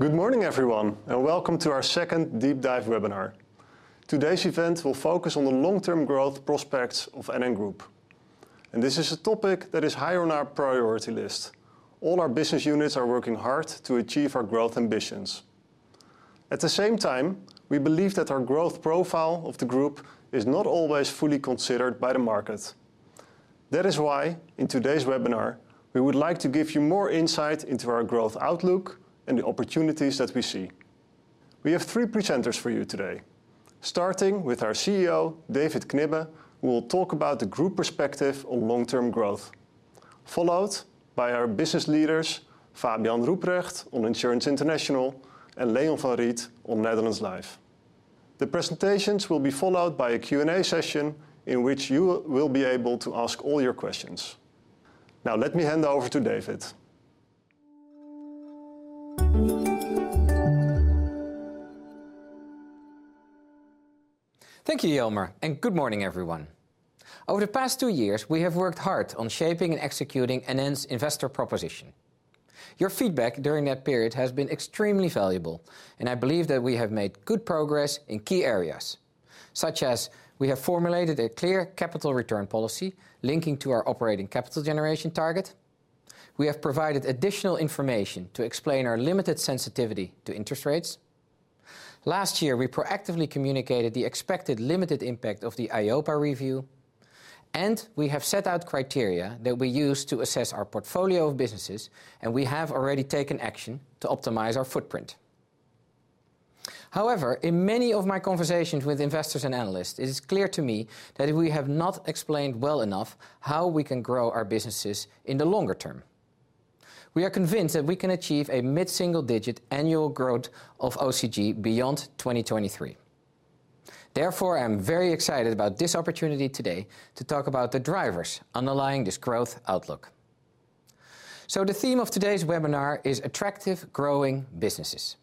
Good morning everyone, and welcome to our second deep dive webinar. Today's event will focus on the long-term growth prospects of NN Group, and this is a topic that is high on our priority list. All our business units are working hard to achieve our growth ambitions. At the same time, we believe that our growth profile of the group is not always fully considered by the market. That is why in today's webinar, we would like to give you more insight into our growth outlook and the opportunities that we see. We have three presenters for you today, starting with our CEO, David Knibbe, who will talk about the group perspective on long-term growth, followed by our business leaders, Fabian Rupprecht on Insurance International, and Leon van Riet on Netherlands Life. The presentations will be followed by a Q&A session in which you will be able to ask all your questions. Now let me hand over to David. Thank you, Jelmer, and good morning everyone. Over the past two years, we have worked hard on shaping and executing NN's investor proposition. Your feedback during that period has been extremely valuable, and I believe that we have made good progress in key areas. Such as we have formulated a clear capital return policy linking to our operating capital generation target. We have provided additional information to explain our limited sensitivity to interest rates. Last year, we proactively communicated the expected limited impact of the EIOPA review, and we have set out criteria that we use to assess our portfolio of businesses, and we have already taken action to optimize our footprint. However, in many of my conversations with investors and analysts, it is clear to me that we have not explained well enough how we can grow our businesses in the longer term. We are convinced that we can achieve a mid-single digit annual growth of OCG beyond 2023. Therefore, I'm very excited about this opportunity today to talk about the drivers underlying this growth outlook. The theme of today's webinar is Attractive Growing Businesses.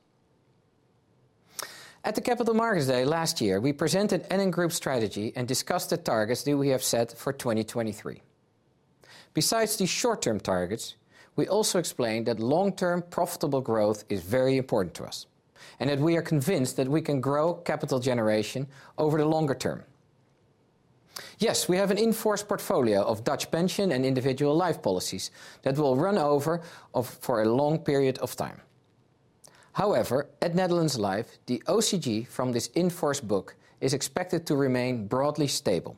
At the Capital Markets Day last year, we presented NN Group strategy and discussed the targets that we have set for 2023. Besides these short-term targets, we also explained that long-term profitable growth is very important to us and that we are convinced that we can grow capital generation over the longer term. Yes, we have an in-force portfolio of Dutch pension and individual life policies that will run for a long period of time. However, at Netherlands Life, the OCG from this in-force book is expected to remain broadly stable.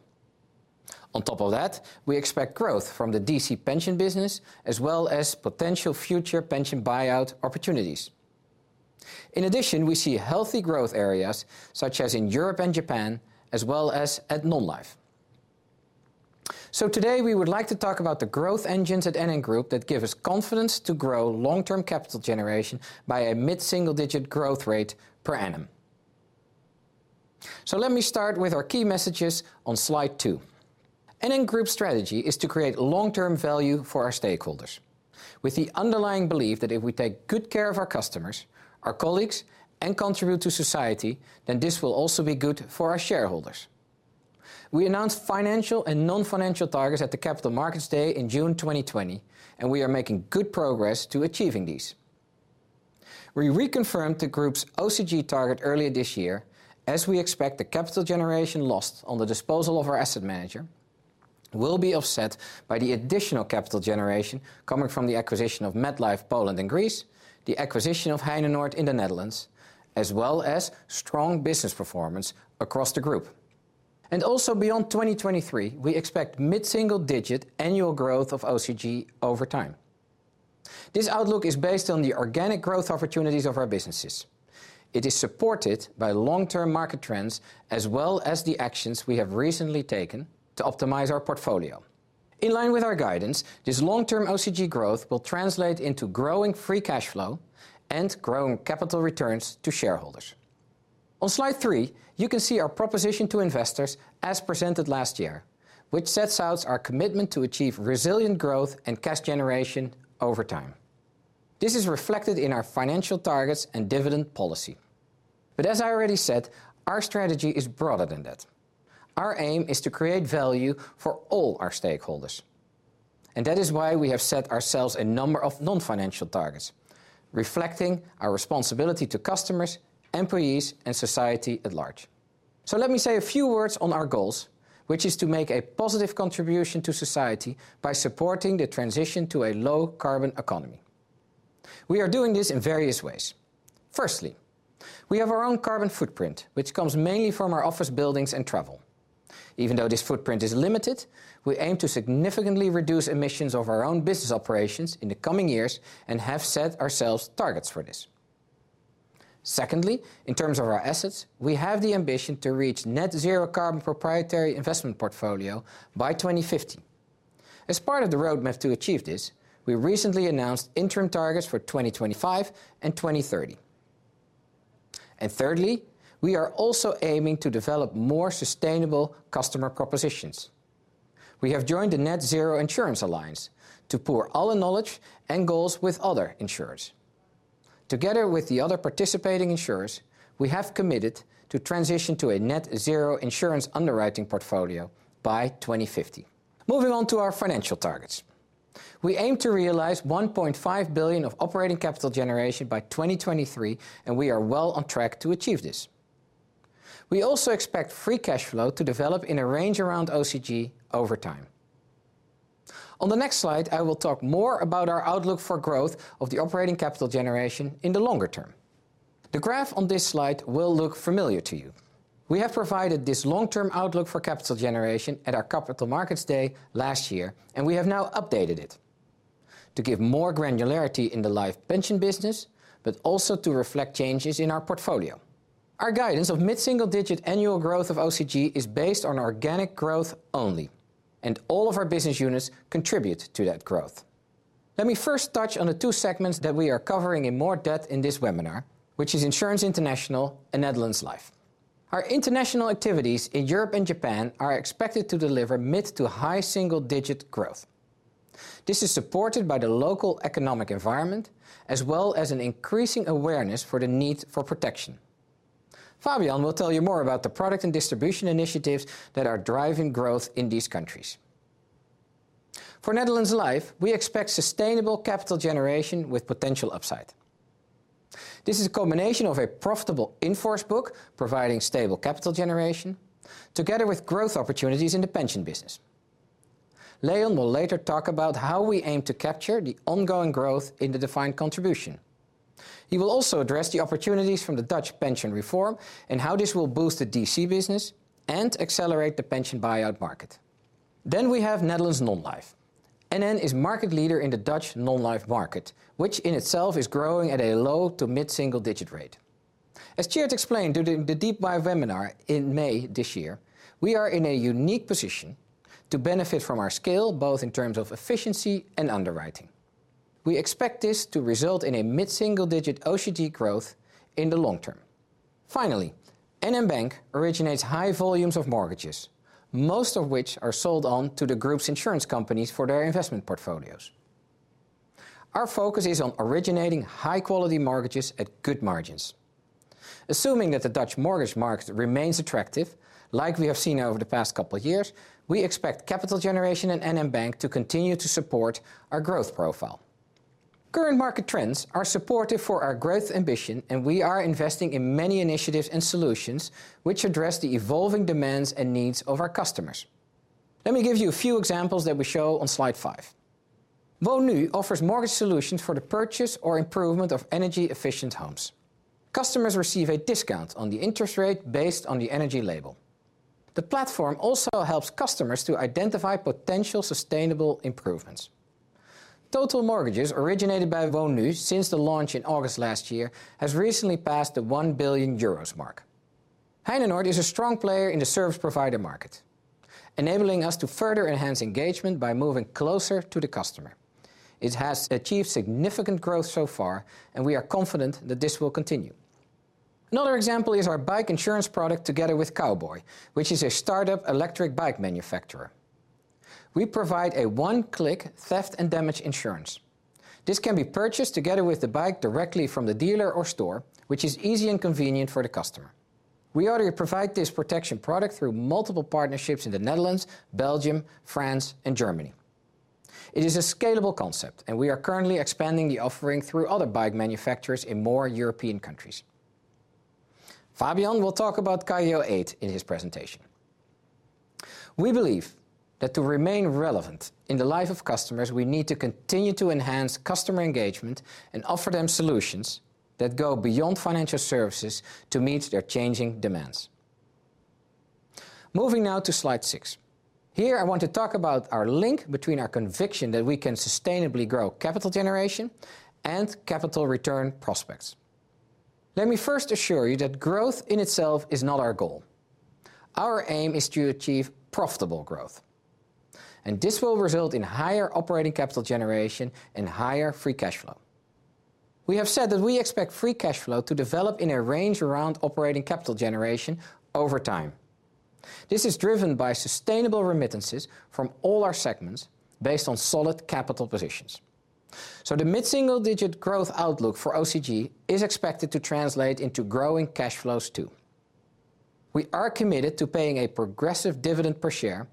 On top of that, we expect growth from the DC pension business as well as potential future pension buyout opportunities. In addition, we see healthy growth areas such as in Europe and Japan as well as at Non-Life. Today, we would like to talk about the growth engines at NN Group that give us confidence to grow long-term capital generation by a mid-single digit growth rate per annum. Let me start with our key messages on slide two. NN Group's strategy is to create long-term value for our stakeholders with the underlying belief that if we take good care of our customers, our colleagues, and contribute to society, then this will also be good for our shareholders. We announced financial and non-financial targets at the Capital Markets Day in June 2020, and we are making good progress to achieving these. We reconfirmed the group's OCG target earlier this year, as we expect the capital generation lost on the disposal of our asset manager will be offset by the additional capital generation coming from the acquisition of MetLife Poland and MetLife Greece, the acquisition of Heinenoord in the Netherlands, as well as strong business performance across the group. Beyond 2023, we expect mid-single digit annual growth of OCG over time. This outlook is based on the organic growth opportunities of our businesses. It is supported by long-term market trends as well as the actions we have recently taken to optimize our portfolio. In line with our guidance, this long-term OCG growth will translate into growing free cash flow and growing capital returns to shareholders. On slide three, you can see our proposition to investors as presented last year, which sets out our commitment to achieve resilient growth and cash generation over time. This is reflected in our financial targets and dividend policy. As I already said, our strategy is broader than that. Our aim is to create value for all our stakeholders, and that is why we have set ourselves a number of non-financial targets reflecting our responsibility to customers, employees, and society at large. Let me say a few words on our goals, which is to make a positive contribution to society by supporting the transition to a low carbon economy. We are doing this in various ways. Firstly, we have our own carbon footprint, which comes mainly from our office buildings and travel. Even though this footprint is limited, we aim to significantly reduce emissions of our own business operations in the coming years and have set ourselves targets for this. Secondly, in terms of our assets, we have the ambition to reach net zero carbon proprietary investment portfolio by 2050. As part of the roadmap to achieve this, we recently announced interim targets for 2025 and 2030. Thirdly, we are also aiming to develop more sustainable customer propositions. We have joined the Net-Zero Insurance Alliance to pool all the knowledge and goals with other insurers. Together with the other participating insurers, we have committed to transition to a net zero insurance underwriting portfolio by 2050. Moving on to our financial targets. We aim to realize 1.5 billion of operating capital generation by 2023, and we are well on track to achieve this. We also expect free cash flow to develop in a range around OCG over time. On the next slide, I will talk more about our outlook for growth of the operating capital generation in the longer term. The graph on this slide will look familiar to you. We have provided this long-term outlook for capital generation at our Capital Markets Day last year, and we have now updated it to give more granularity in the life and pension business, but also to reflect changes in our portfolio. Our guidance of mid-single-digit annual growth of OCG is based on organic growth only, and all of our business units contribute to that growth. Let me first touch on the two segments that we are covering in more depth in this webinar, which is Insurance International and Netherlands Life. Our international activities in Europe and Japan are expected to deliver mid- to high-single-digit growth. This is supported by the local economic environment as well as an increasing awareness for the need for protection. Fabian will tell you more about the product and distribution initiatives that are driving growth in these countries. For Netherlands Life, we expect sustainable capital generation with potential upside. This is a combination of a profitable in-force book providing stable capital generation together with growth opportunities in the pension business. Leon will later talk about how we aim to capture the ongoing growth in the defined contribution. He will also address the opportunities from the Dutch pension reform and how this will boost the DC business and accelerate the pension buyout market. We have Netherlands Non-Life. NN is market leader in the Dutch Non-Life market, which in itself is growing at a low- to mid-single-digit rate. Tjeerd explained during the deep dive webinar in May this year, we are in a unique position to benefit from our scale, both in terms of efficiency and underwriting. We expect this to result in a mid-single-digit OCG growth in the long term. NN Bank originates high volumes of mortgages, most of which are sold on to the group's insurance companies for their investment portfolios. Our focus is on originating high-quality mortgages at good margins. Assuming that the Dutch mortgage market remains attractive, like we have seen over the past couple of years, we expect capital generation and NN Bank to continue to support our growth profile. Current market trends are supportive for our growth ambition, and we are investing in many initiatives and solutions which address the evolving demands and needs of our customers. Let me give you a few examples that we show on slide five. Woonnu offers mortgage solutions for the purchase or improvement of energy-efficient homes. Customers receive a discount on the interest rate based on the energy label. The platform also helps customers to identify potential sustainable improvements. Total mortgages originated by Woonnu since the launch in August last year has recently passed the 1 billion euros mark. Heinenoord is a strong player in the service provider market, enabling us to further enhance engagement by moving closer to the customer. It has achieved significant growth so far, and we are confident that this will continue. Another example is our bike insurance product together with Cowboy, which is a startup electric bike manufacturer. We provide a one-click theft and damage insurance. This can be purchased together with the bike directly from the dealer or store, which is easy and convenient for the customer. We already provide this protection product through multiple partnerships in the Netherlands, Belgium, France, and Germany. It is a scalable concept, and we are currently expanding the offering through other bike manufacturers in more European countries. Fabian will talk about Kaigyo 8 in his presentation. We believe that to remain relevant in the life of customers, we need to continue to enhance customer engagement and offer them solutions that go beyond financial services to meet their changing demands. Moving now to slide six. Here, I want to talk about our link between our conviction that we can sustainably grow capital generation and capital return prospects. Let me first assure you that growth in itself is not our goal. Our aim is to achieve profitable growth, and this will result in higher operating capital generation and higher free cash flow. We have said that we expect free cash flow to develop in a range around operating capital generation over time. This is driven by sustainable remittances from all our segments based on solid capital positions. The mid-single digit growth outlook for OCG is expected to translate into growing cash flows too. We are committed to paying a progressive dividend per share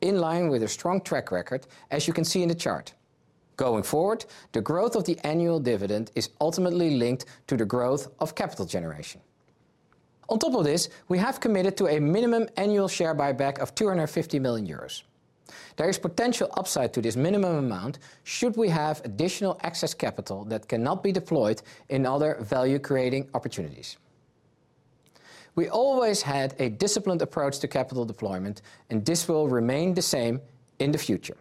in line with a strong track record as you can see in the chart. Going forward, the growth of the annual dividend is ultimately linked to the growth of capital generation. On top of this, we have committed to a minimum annual share buyback of 250 million euros. There is potential upside to this minimum amount should we have additional excess capital that cannot be deployed in other value-creating opportunities. We always had a disciplined approach to capital deployment, and this will remain the same in the future.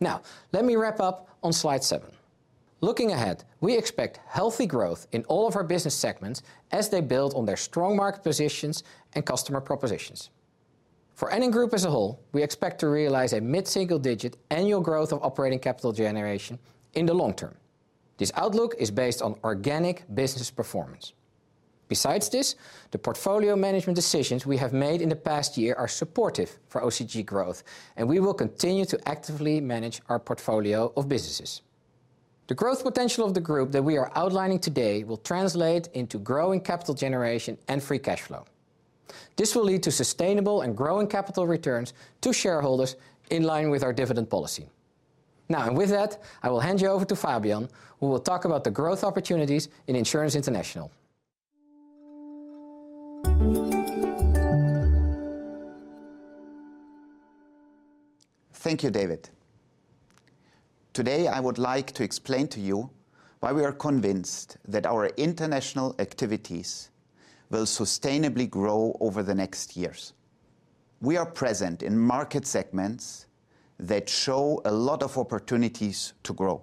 Now, let me wrap up on slide seven. Looking ahead, we expect healthy growth in all of our business segments as they build on their strong market positions and customer propositions. For NN Group as a whole, we expect to realize a mid-single digit annual growth of operating capital generation in the long term. This outlook is based on organic business performance. Besides this, the portfolio management decisions we have made in the past year are supportive for OCG growth, and we will continue to actively manage our portfolio of businesses. The growth potential of the group that we are outlining today will translate into growing capital generation and free cash flow. This will lead to sustainable and growing capital returns to shareholders in line with our dividend policy. Now, and with that, I will hand you over to Fabian, who will talk about the growth opportunities in Insurance International. Thank you, David. Today, I would like to explain to you why we are convinced that our international activities will sustainably grow over the next years. We are present in market segments that show a lot of opportunities to grow.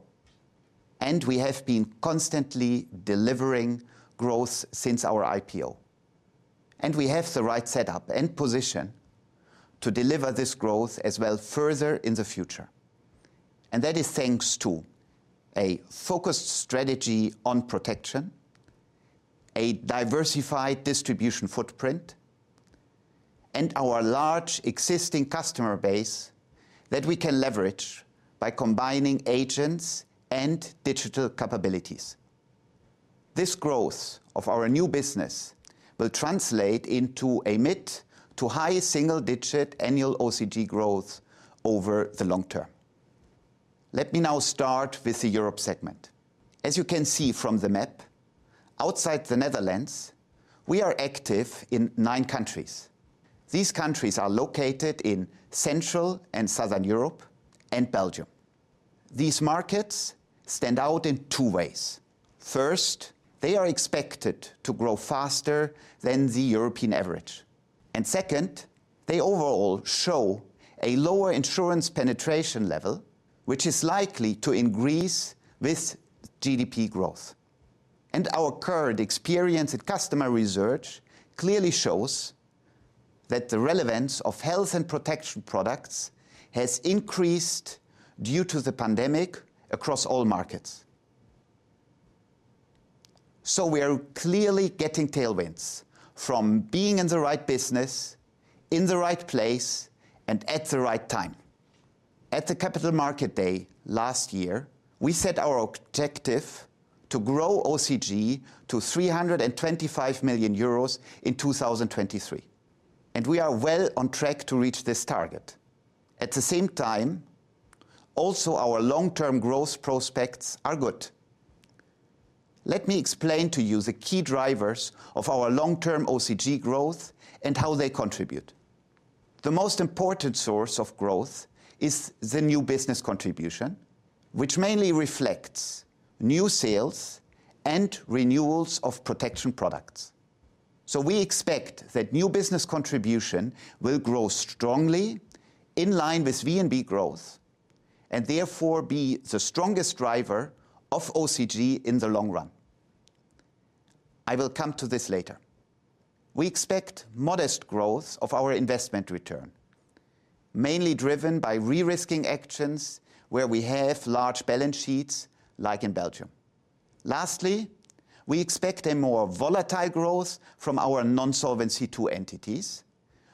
We have been constantly delivering growth since our IPO. We have the right setup and position to deliver this growth as well further in the future. That is thanks to a focused strategy on protection, a diversified distribution footprint, and our large existing customer base that we can leverage by combining agents and digital capabilities. This growth of our new business will translate into a mid- to high single digit annual OCG growth over the long term. Let me now start with the Europe segment. As you can see from the map, outside the Netherlands, we are active in nine countries. These countries are located in Central and Southern Europe and Belgium. These markets stand out in two ways. First, they are expected to grow faster than the European average. Second, they overall show a lower insurance penetration level, which is likely to increase with GDP growth. Our current experience in customer research clearly shows that the relevance of health and protection products has increased due to the pandemic across all markets. We are clearly getting tailwinds from being in the right business, in the right place, and at the right time. At the Capital Markets Day last year, we set our objective to grow OCG to 325 million euros in 2023, and we are well on track to reach this target. At the same time, also our long-term growth prospects are good. Let me explain to you the key drivers of our long-term OCG growth and how they contribute. The most important source of growth is the new business contribution, which mainly reflects new sales and renewals of protection products. We expect that new business contribution will grow strongly in line with VNB growth, and therefore be the strongest driver of OCG in the long run. I will come to this later. We expect modest growth of our investment return, mainly driven by re-risking actions where we have large balance sheets, like in Belgium. Lastly, we expect a more volatile growth from our non-Solvency II entities,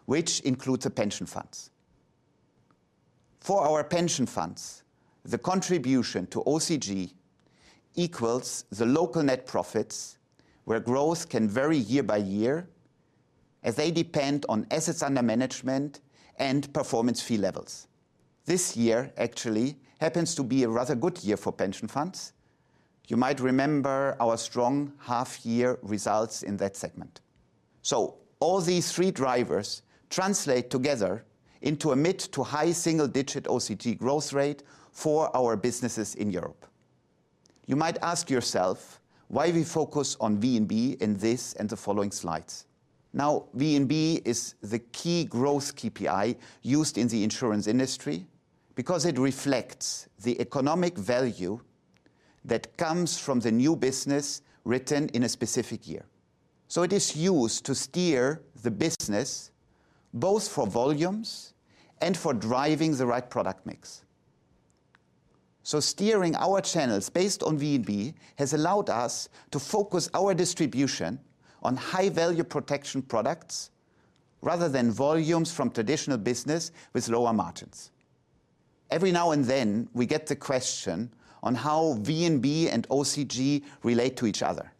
which includes the pension funds. For our pension funds, the contribution to OCG equals the local net profits where growth can vary year- by-year, as they depend on assets under management and performance fee levels. This year actually happens to be a rather good year for pension funds. You might remember our strong half year results in that segment. All these three drivers translate together into a mid- to high single-digit OCG growth rate for our businesses in Europe. You might ask yourself why we focus on VNB in this and the following slides. Now, VNB is the key growth KPI used in the insurance industry because it reflects the economic value that comes from the new business written in a specific year. It is used to steer the business both for volumes and for driving the right product mix. Steering our channels based on VNB has allowed us to focus our distribution on high value protection products rather than volumes from traditional business with lower margins. Every now and then, we get the question on how VNB and OCG relate to each other.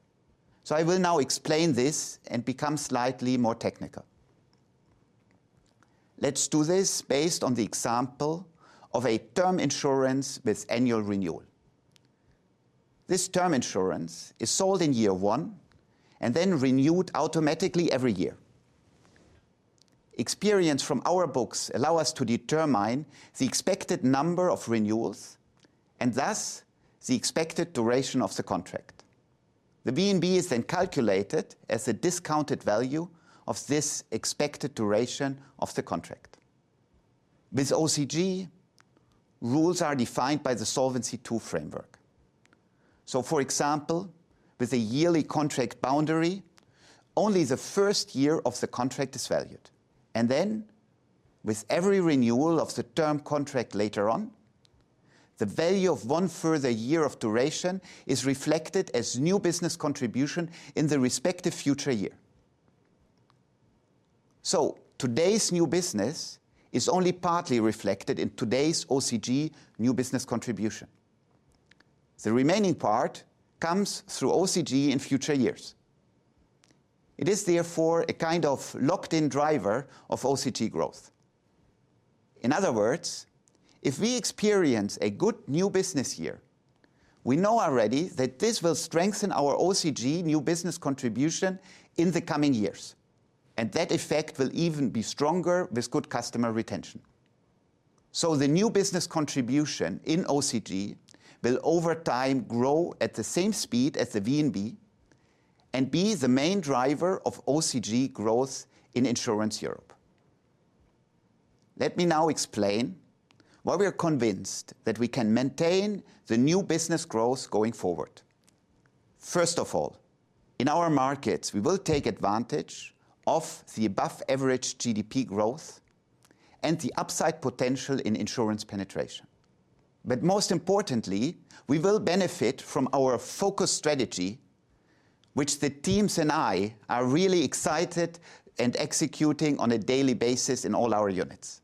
I will now explain this and become slightly more technical. Let's do this based on the example of a term insurance with annual renewal. This term insurance is sold in year one and then renewed automatically every year. Experience from our books allow us to determine the expected number of renewals and thus the expected duration of the contract. The VNB is then calculated as the discounted value of this expected duration of the contract. With OCG, rules are defined by the Solvency II framework. For example, with a yearly contract boundary, only the first year of the contract is valued. With every renewal of the term contract later on, the value of one further year of duration is reflected as new business contribution in the respective future year. Today's new business is only partly reflected in today's OCG new business contribution. The remaining part comes through OCG in future years. It is therefore a kind of locked-in driver of OCG growth. In other words, if we experience a good new business year, we know already that this will strengthen our OCG new business contribution in the coming years, and that effect will even be stronger with good customer retention. The new business contribution in OCG will over time grow at the same speed as the VNB and be the main driver of OCG growth in Insurance Europe. Let me now explain why we are convinced that we can maintain the new business growth going forward. First of all, in our markets, we will take advantage of the above-average GDP growth and the upside potential in insurance penetration. Most importantly, we will benefit from our focus strategy, which the teams and I are really excited and executing on a daily basis in all our units.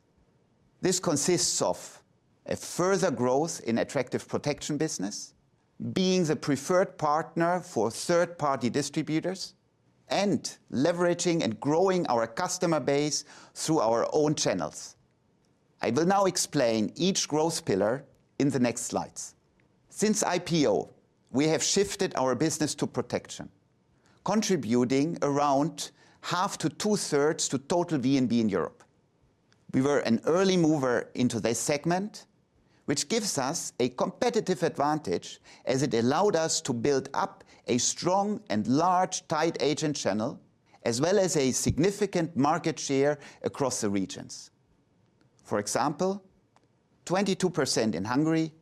This consists of a further growth in attractive protection business, being the preferred partner for third-party distributors, and leveraging and growing our customer base through our own channels. I will now explain each growth pillar in the next slides. Since IPO, we have shifted our business to protection, contributing around half to 2/3 to total VNB in Europe. We were an early mover into this segment, which gives us a competitive advantage as it allowed us to build up a strong and large tied agent channel as well as a significant market share across the regions. For example, 22% in Hungary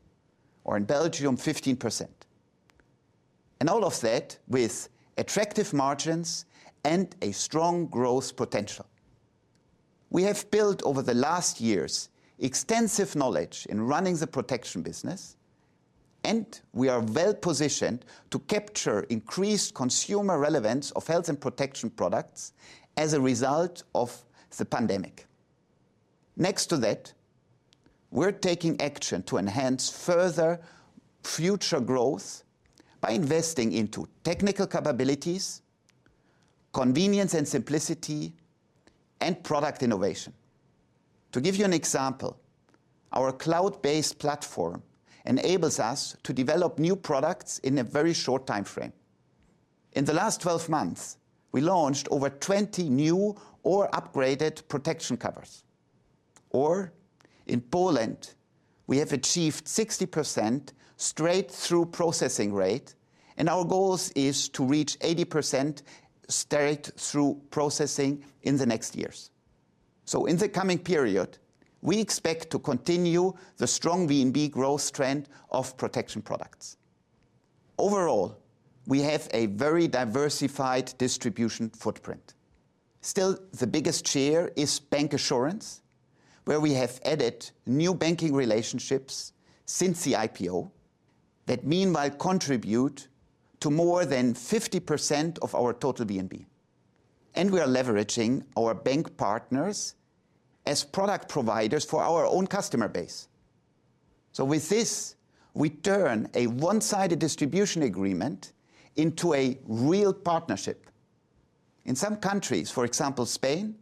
or in Belgium, 15%. All of that with attractive margins and a strong growth potential. We have built over the last years extensive knowledge in running the protection business, and we are well-positioned to capture increased consumer relevance of health and protection products as a result of the pandemic. Next to that, we're taking action to enhance further future growth by investing into technical capabilities, convenience and simplicity, and product innovation. To give you an example, our cloud-based platform enables us to develop new products in a very short time frame. In the last 12 months, we launched over 20 new or upgraded protection covers. Or in Poland, we have achieved 60% straight-through processing rate, and our goal is to reach 80% straight-through processing in the next years. In the coming period, we expect to continue the strong VNB growth trend of protection products. Overall, we have a very diversified distribution footprint. Still, the biggest share is bancassurance, where we have added new banking relationships since the IPO that meanwhile contribute to more than 50% of our total VNB. We are leveraging our bank partners as product providers for our own customer base. With this, we turn a one-sided distribution agreement into a real partnership. In some countries, for example, Spain,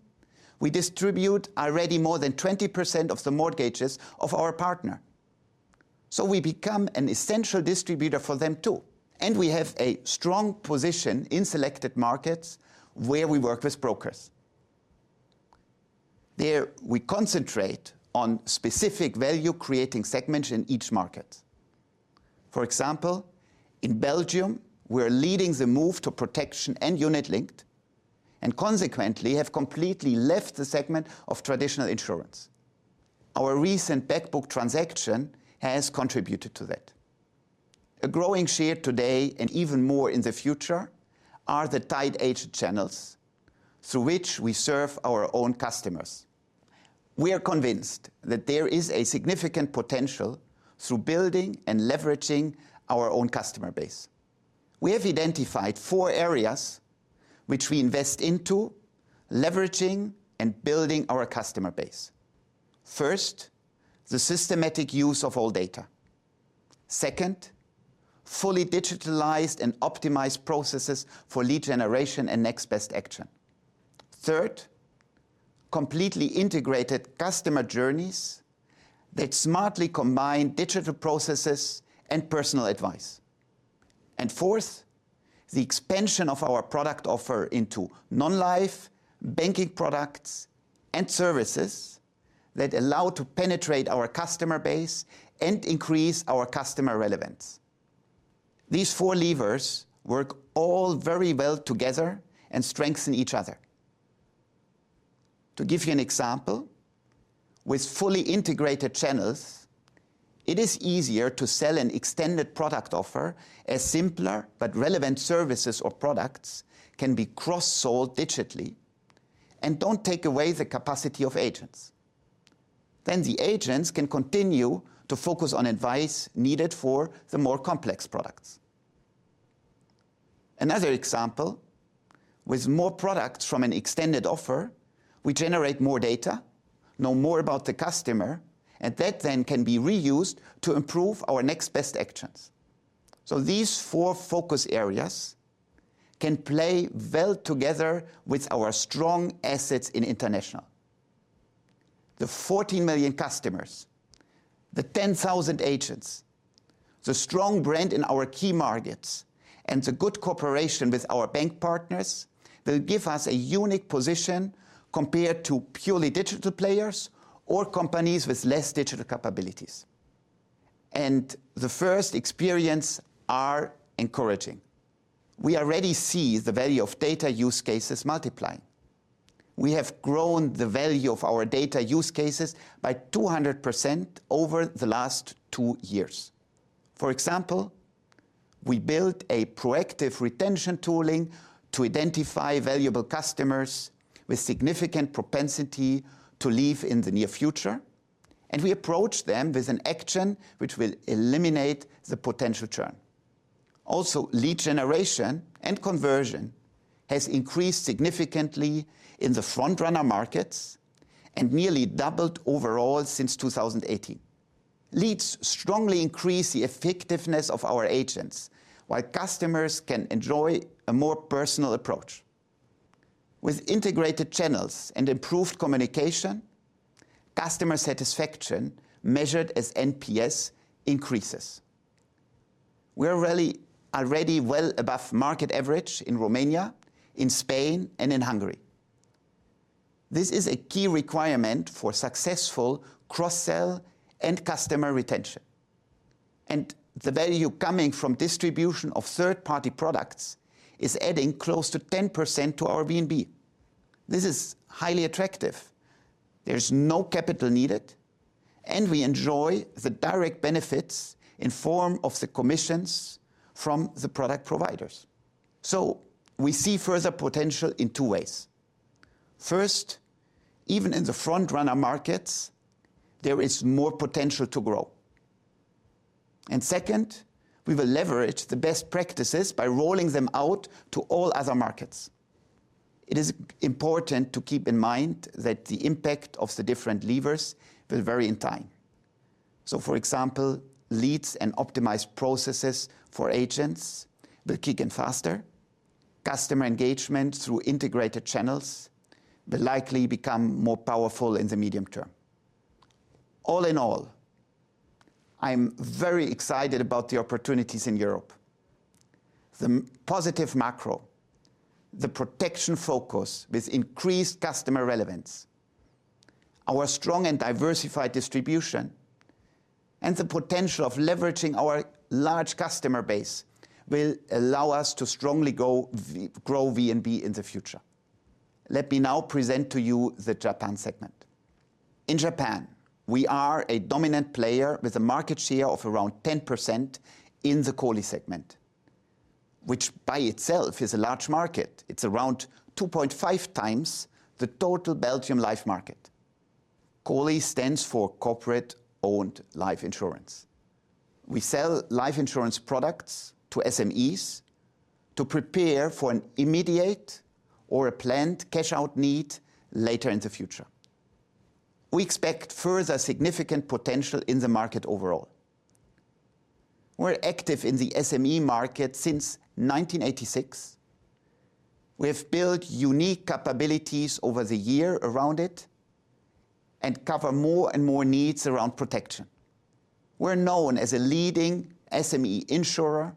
we distribute already more than 20% of the mortgages of our partner. We become an essential distributor for them too, and we have a strong position in selected markets where we work with brokers. There, we concentrate on specific value-creating segments in each market. For example, in Belgium, we are leading the move to protection and unit-linked, and consequently have completely left the segment of traditional insurance. Our recent back book transaction has contributed to that. A growing share today and even more in the future are the tied agent channels through which we serve our own customers. We are convinced that there is a significant potential through building and leveraging our own customer base. We have identified four areas which we invest into leveraging and building our customer base. First, the systematic use of all data. Second, fully digitalized and optimized processes for lead generation and next best action. Third, completely integrated customer journeys that smartly combine digital processes and personal advice. Fourth, the expansion of our product offer into non-life banking products and services that allow to penetrate our customer base and increase our customer relevance. These four levers work all very well together and strengthen each other. To give you an example, with fully integrated channels, it is easier to sell an extended product offer as simpler but relevant services or products can be cross-sold digitally and don't take away the capacity of agents. Then the agents can continue to focus on advice needed for the more complex products. Another example, with more products from an extended offer, we generate more data, know more about the customer, and that then can be reused to improve our next best actions. These four focus areas can play well together with our strong assets in international. The 40 million customers, the 10,000 agents, the strong brand in our key markets, and the good cooperation with our bank partners will give us a unique position compared to purely digital players or companies with less digital capabilities. The first experience are encouraging. We already see the value of data use cases multiplying. We have grown the value of our data use cases by 200% over the last two years. For example, we built a proactive retention tooling to identify valuable customers with significant propensity to leave in the near future, and we approach them with an action which will eliminate the potential churn. Also, lead generation and conversion has increased significantly in the front-runner markets and nearly doubled overall since 2018. Leads strongly increase the effectiveness of our agents while customers can enjoy a more personal approach. With integrated channels and improved communication, customer satisfaction measured as NPS increases. We are really already well above market average in Romania, in Spain, and in Hungary. This is a key requirement for successful cross-sell and customer retention. The value coming from distribution of third-party products is adding close to 10% to our VNB. This is highly attractive. There's no capital needed, and we enjoy the direct benefits in form of the commissions from the product providers. We see further potential in two ways. First, even in the front-runner markets, there is more potential to grow. Second, we will leverage the best practices by rolling them out to all other markets. It is important to keep in mind that the impact of the different levers will vary in time. For example, leads and optimized processes for agents will kick in faster. Customer engagement through integrated channels will likely become more powerful in the medium term. All in all, I am very excited about the opportunities in Europe. The positive macro, the protection focus with increased customer relevance, our strong and diversified distribution, and the potential of leveraging our large customer base will allow us to strongly grow VNB in the future. Let me now present to you the Japan segment. In Japan, we are a dominant player with a market share of around 10% in the COLI segment, which by itself is a large market. It's around 2.5x the total Belgian life market. COLI stands for Corporate-Owned Life Insurance. We sell life insurance products to SMEs to prepare for an immediate or a planned cash-out need later in the future. We expect further significant potential in the market overall. We're active in the SME market since 1986. We have built unique capabilities over the years around it and cover more and more needs around protection. We're known as a leading SME insurer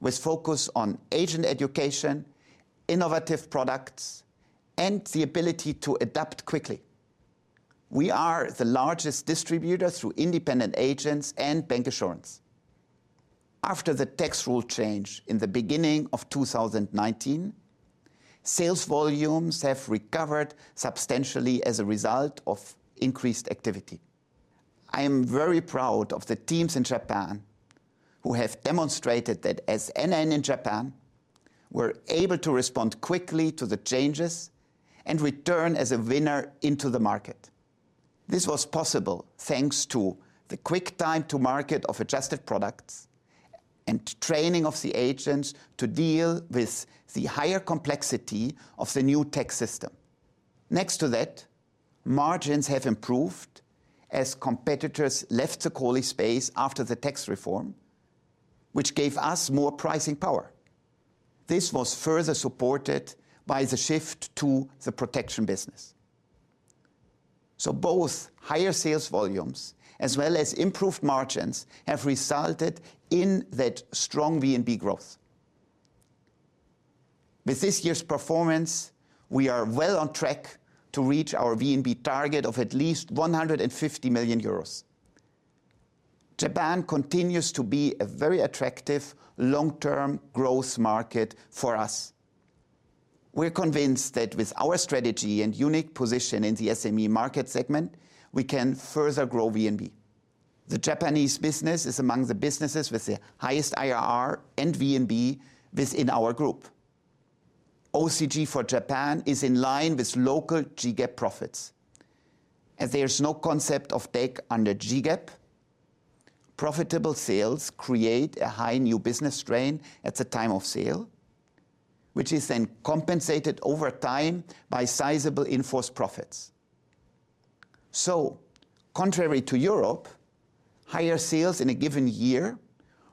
with focus on agent education, innovative products, and the ability to adapt quickly. We are the largest distributor through independent agents and bancassurance. After the tax rule change in the beginning of 2019, sales volumes have recovered substantially as a result of increased activity. I am very proud of the teams in Japan who have demonstrated that as NN in Japan were able to respond quickly to the changes and return as a winner into the market. This was possible thanks to the quick time to market of adjusted products and training of the agents to deal with the higher complexity of the new tax system. Next to that, margins have improved as competitors left the COLI space after the tax reform, which gave us more pricing power. This was further supported by the shift to the protection business. Both higher sales volumes as well as improved margins have resulted in that strong VNB growth. With this year's performance, we are well on track to reach our VNB target of at least 150 million euros. Japan continues to be a very attractive long-term growth market for us. We're convinced that with our strategy and unique position in the SME market segment, we can further grow VNB. The Japanese business is among the businesses with the highest IRR and VNB within our group. OCG for Japan is in line with local JGAAP profits. As there is no concept of take under JGAAP, profitable sales create a high new business strain at the time of sale, which is then compensated over time by sizable in-force profits. Contrary to Europe, higher sales in a given year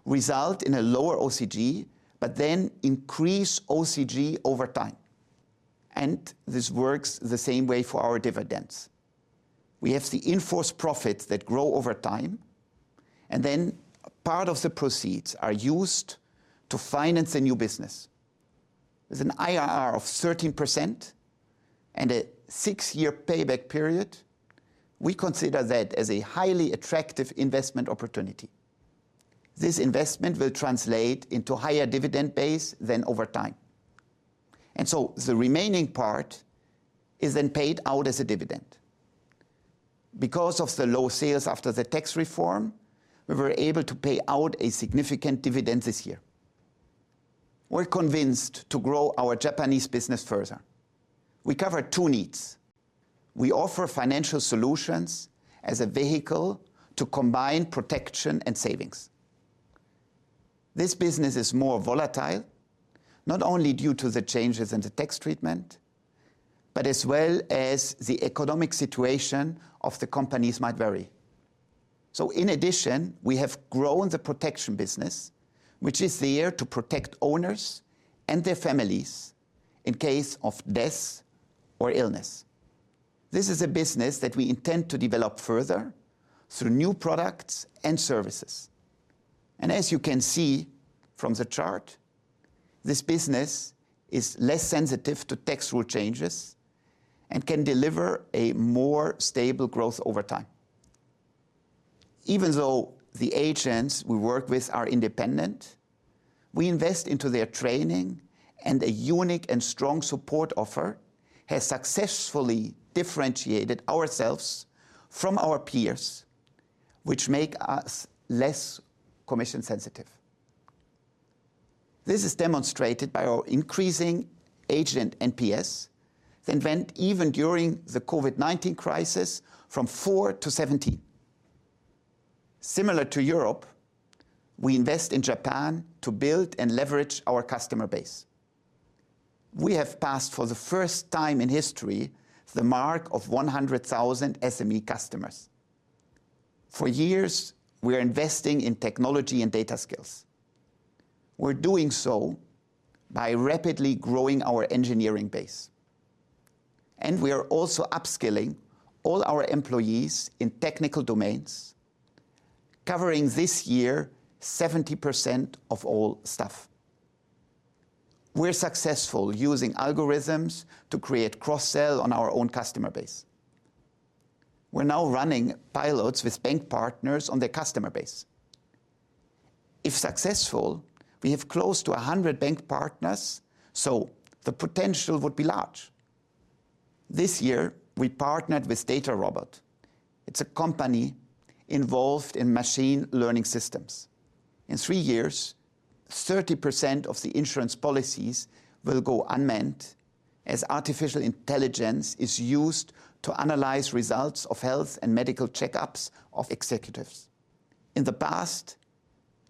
result in a lower OCG, but then increase OCG over time. This works the same way for our dividends. We have the in-force profits that grow over time, and then part of the proceeds are used to finance a new business. With an IRR of 13% and a six-year payback period, we consider that as a highly attractive investment opportunity. This investment will translate into higher dividend base than over time. The remaining part is then paid out as a dividend. Because of the low sales after the tax reform, we were able to pay out a significant dividend this year. We're convinced to grow our Japanese business further. We cover two needs. We offer financial solutions as a vehicle to combine protection and savings. This business is more volatile, not only due to the changes in the tax treatment, but as well as the economic situation of the companies might vary. In addition, we have grown the protection business, which is there to protect owners and their families in case of death or illness. This is a business that we intend to develop further through new products and services. As you can see from the chart, this business is less sensitive to tax rule changes and can deliver a more stable growth over time. Even though the agents we work with are independent, we invest into their training, and a unique and strong support offer has successfully differentiated ourselves from our peers, which make us less commission sensitive. This is demonstrated by our increasing agent NPS even during the COVID-19 crisis from 4% to 17. Similar to Europe, we invest in Japan to build and leverage our customer base. We have passed, for the first time in history, the mark of 100,000 SME customers. For years, we are investing in technology and data skills. We're doing so by rapidly growing our engineering base. We are also upskilling all our employees in technical domains, covering this year 70% of all staff. We're successful using algorithms to create cross-sell on our own customer base. We're now running pilots with bank partners on their customer base. If successful, we have close to 100 bank partners, so the potential would be large. This year, we partnered with DataRobot. It's a company involved in machine learning systems. In three years, 30% of the insurance policies will go unmanned as artificial intelligence is used to analyze results of health and medical checkups of executives. In the past,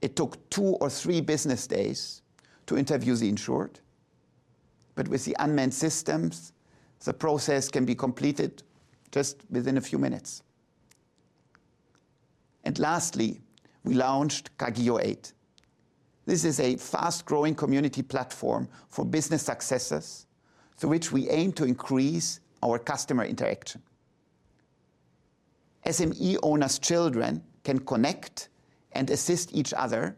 it took two or three business days to interview the insured. With the unmanned systems, the process can be completed just within a few minutes. Lastly, we launched Kaigyo 8. This is a fast-growing community platform for business successes through which we aim to increase our customer interaction. SME owners' children can connect and assist each other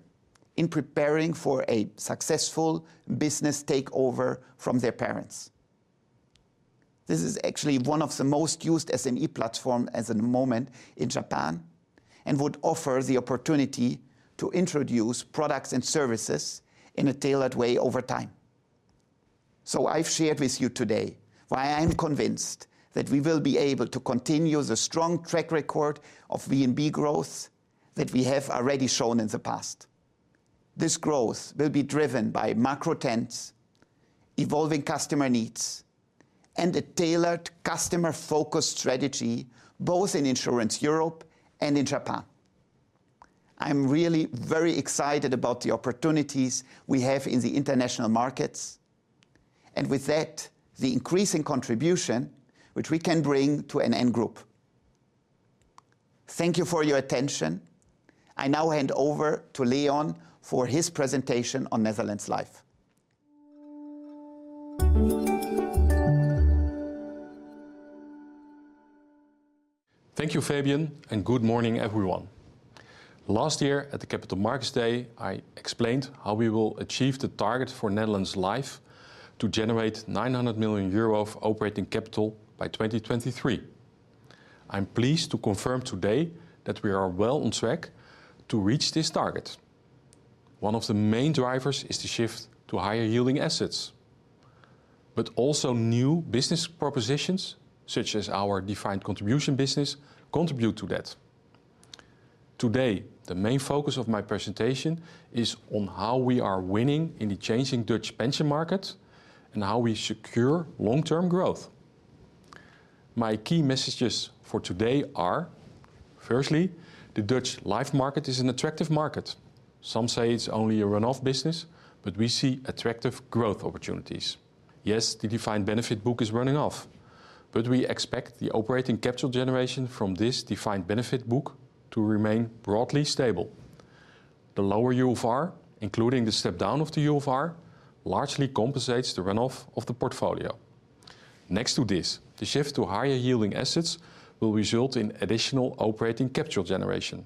in preparing for a successful business takeover from their parents. This is actually one of the most used SME platform at the moment in Japan and would offer the opportunity to introduce products and services in a tailored way over time. I've shared with you today why I am convinced that we will be able to continue the strong track record of VNB growth that we have already shown in the past. This growth will be driven by macro trends, evolving customer needs, and a tailored customer-focused strategy, both in Insurance Europe and in Japan. I'm really very excited about the opportunities we have in the international markets, and with that, the increasing contribution which we can bring to NN Group. Thank you for your attention. I now hand over to Leon for his presentation on Netherlands Life. Thank you, Fabian, and good morning, everyone. Last year at the Capital Markets Day, I explained how we will achieve the target for Netherlands Life to generate 900 million euro of operating capital by 2023. I'm pleased to confirm today that we are well on track to reach this target. One of the main drivers is to shift to higher-yielding assets. Also new business propositions, such as our defined contribution business, contribute to that. Today, the main focus of my presentation is on how we are winning in the changing Dutch pension market and how we secure long-term growth. My key messages for today are, firstly, the Dutch life market is an attractive market. Some say it's only a runoff business, but we see attractive growth opportunities. Yes, the defined benefit book is running off, but we expect the operating capital generation from this defined benefit book to remain broadly stable. The lower UFR, including the step down of the UFR, largely compensates the runoff of the portfolio. Next to this, the shift to higher-yielding assets will result in additional operating capital generation,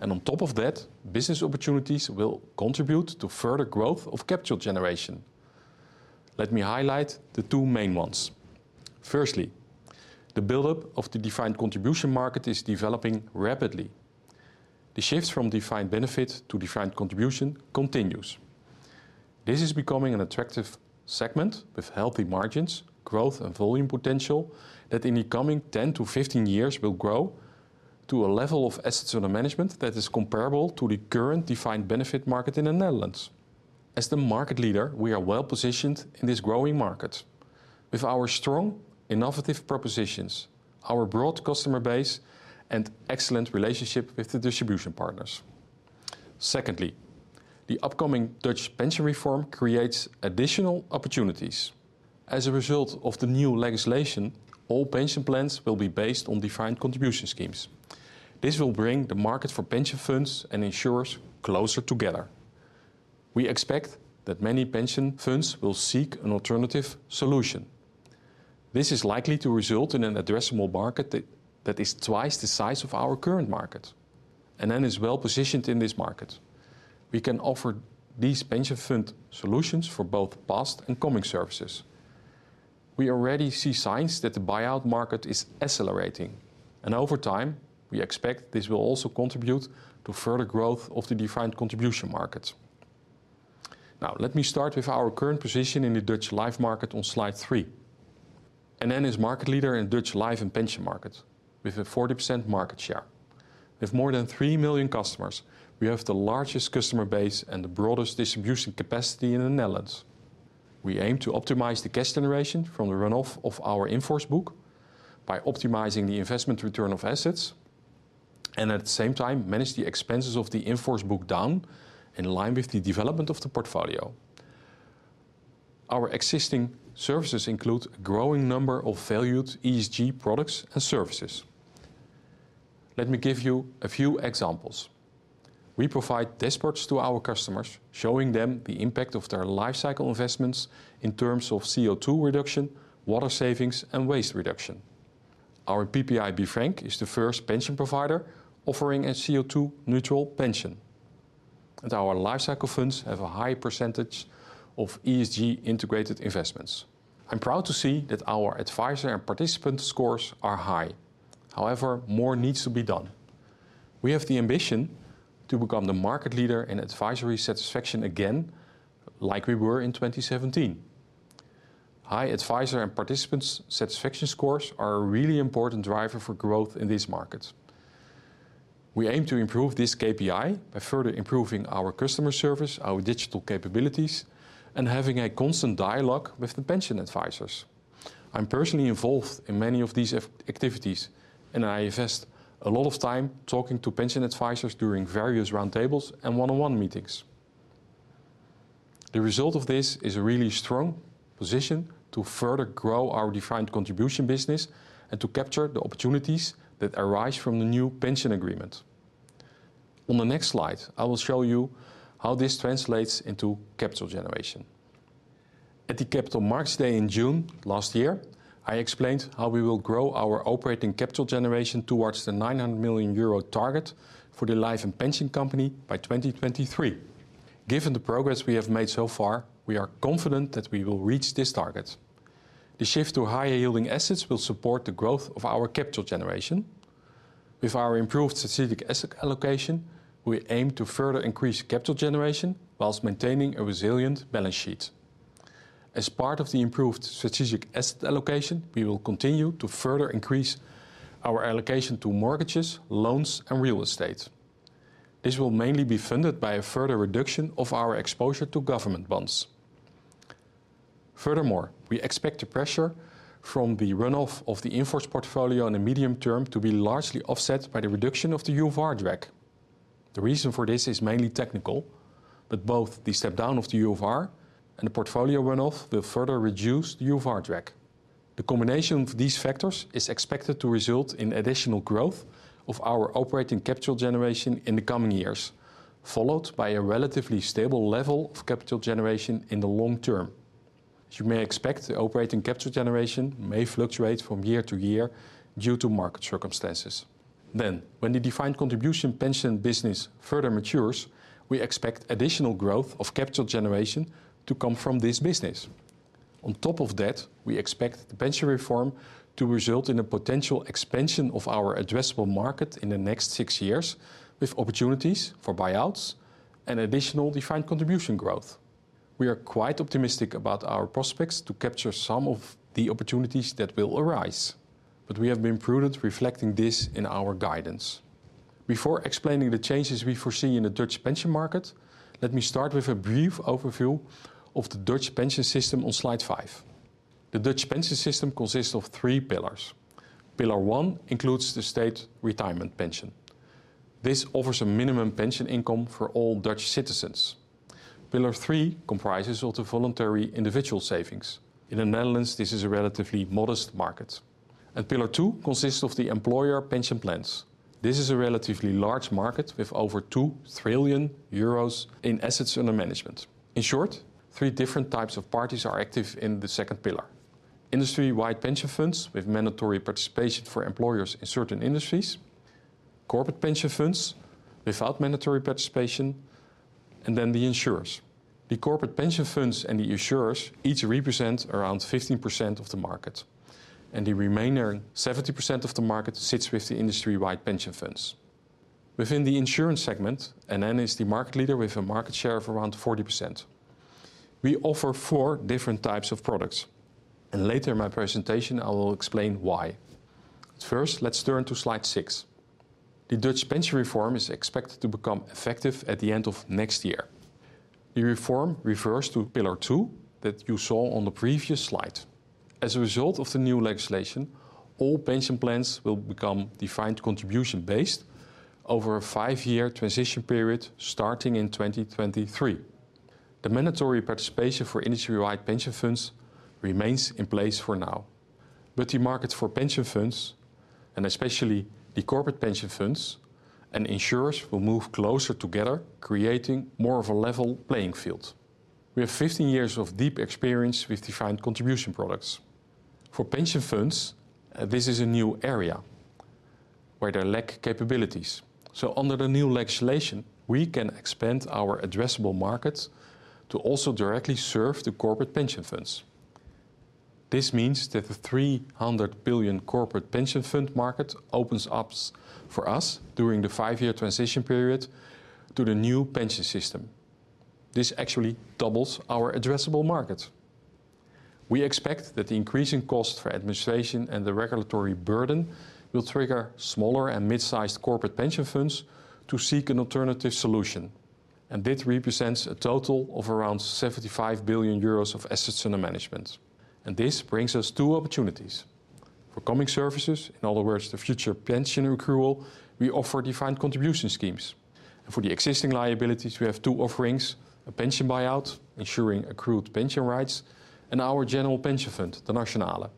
and on top of that, business opportunities will contribute to further growth of capital generation. Let me highlight the two main ones. Firstly, the buildup of the defined contribution market is developing rapidly. The shifts from defined benefit to defined contribution continues. This is becoming an attractive segment with healthy margins, growth, and volume potential that in the coming 10-15 years will grow to a level of assets under management that is comparable to the current defined benefit market in the Netherlands. As the market leader, we are well-positioned in this growing market with our strong, innovative propositions, our broad customer base, and excellent relationship with the distribution partners. Secondly, the upcoming Dutch pension reform creates additional opportunities. As a result of the new legislation, all pension plans will be based on defined contribution schemes. This will bring the market for pension funds and insurers closer together. We expect that many pension funds will seek an alternative solution. This is likely to result in an addressable market that is twice the size of our current market, and NN is well-positioned in this market. We can offer these pension fund solutions for both past and coming services. We already see signs that the buyout market is accelerating, and over time, we expect this will also contribute to further growth of the defined contribution market. Now, let me start with our current position in the Dutch life market on slide three. NN is market leader in Dutch life and pension market, with a 40% market share. With more than 3 million customers, we have the largest customer base and the broadest distribution capacity in the Netherlands. We aim to optimize the cash generation from the runoff of our in-force book by optimizing the investment return of assets, and at the same time manage the expenses of the in-force book down in line with the development of the portfolio. Our existing services include growing number of valued ESG products and services. Let me give you a few examples. We provide dashboards to our customers, showing them the impact of their life cycle investments in terms of CO2 reduction, water savings, and waste reduction. Our PPI BeFrank is the first pension provider offering a CO2 neutral pension, and our lifecycle funds have a high percentage of ESG integrated investments. I'm proud to see that our advisor and participant scores are high. However, more needs to be done. We have the ambition to become the market leader in advisory satisfaction again, like we were in 2017. High advisor and participants' satisfaction scores are a really important driver for growth in this market. We aim to improve this KPI by further improving our customer service, our digital capabilities, and having a constant dialogue with the pension advisors. I'm personally involved in many of these activities, and I invest a lot of time talking to pension advisors during various roundtables and one-on-one meetings. The result of this is a really strong position to further grow our defined contribution business and to capture the opportunities that arise from the new pension agreement. On the next slide, I will show you how this translates into capital generation. At the Capital Markets Day in June last year, I explained how we will grow our operating capital generation towards the 900 million euro target for the life and pension company by 2023. Given the progress we have made so far, we are confident that we will reach this target. The shift to higher-yielding assets will support the growth of our capital generation. With our improved strategic asset allocation, we aim to further increase capital generation while maintaining a resilient balance sheet. As part of the improved strategic asset allocation, we will continue to further increase our allocation to mortgages, loans, and real estate. This will mainly be funded by a further reduction of our exposure to government bonds. Furthermore, we expect the pressure from the runoff of the in-force portfolio in the medium term to be largely offset by the reduction of the UFR drag. The reason for this is mainly technical, but both the step-down of the UFR and the portfolio runoff will further reduce UFR drag. The combination of these factors is expected to result in additional growth of our operating capital generation in the coming years, followed by a relatively stable level of capital generation in the long term. As you may expect, the operating capital generation may fluctuate from year-to-year due to market circumstances. When the defined contribution pension business further matures, we expect additional growth of capital generation to come from this business. On top of that, we expect the pension reform to result in a potential expansion of our addressable market in the next six years, with opportunities for buyouts and additional defined contribution growth. We are quite optimistic about our prospects to capture some of the opportunities that will arise, but we have been prudent reflecting this in our guidance. Before explaining the changes we foresee in the Dutch pension market, let me start with a brief overview of the Dutch pension system on slide five. The Dutch pension system consists of three pillars. Pillar one includes the state retirement pension. This offers a minimum pension income for all Dutch citizens. Pillar three comprises of the voluntary individual savings. In the Netherlands, this is a relatively modest market, and Pillar two consists of the employer pension plans. This is a relatively large market with over 2 trillion euros in assets under management. In short, three different types of parties are active in the second pillar: industry-wide pension funds with mandatory participation for employers in certain industries, corporate pension funds without mandatory participation, and then the insurers. The corporate pension funds and the insurers each represent around 15% of the market, and the remaining 70% of the market sits with the industry-wide pension funds. Within the insurance segment, NN is the market leader with a market share of around 40%. We offer four different types of products, and later in my presentation, I will explain why. First, let's turn to slide six. The Dutch pension reform is expected to become effective at the end of next year. The reform refers to pillar two that you saw on the previous slide. As a result of the new legislation, all pension plans will become defined contribution-based over a five-year transition period starting in 2023. The mandatory participation for industry-wide pension funds remains in place for now, but the market for pension funds, and especially the corporate pension funds, and insurers will move closer together, creating more of a level playing field. We have 15 years of deep experience with defined contribution products. For pension funds, this is a new area where they lack capabilities. Under the new legislation, we can expand our addressable markets to also directly serve the corporate pension funds. This means that the 300 billion corporate pension fund market opens up for us during the five-year transition period to the new pension system. This actually doubles our addressable market. We expect that the increasing cost for administration and the regulatory burden will trigger smaller and mid-sized corporate pension funds to seek an alternative solution, and this represents a total of around 75 billion euros of assets under management. This brings us two opportunities. For coming services, in other words, the future pension accrual, we offer defined contribution schemes. For the existing liabilities, we have two offerings, a pension buyout ensuring accrued pension rights and our general pension fund, De Nationale.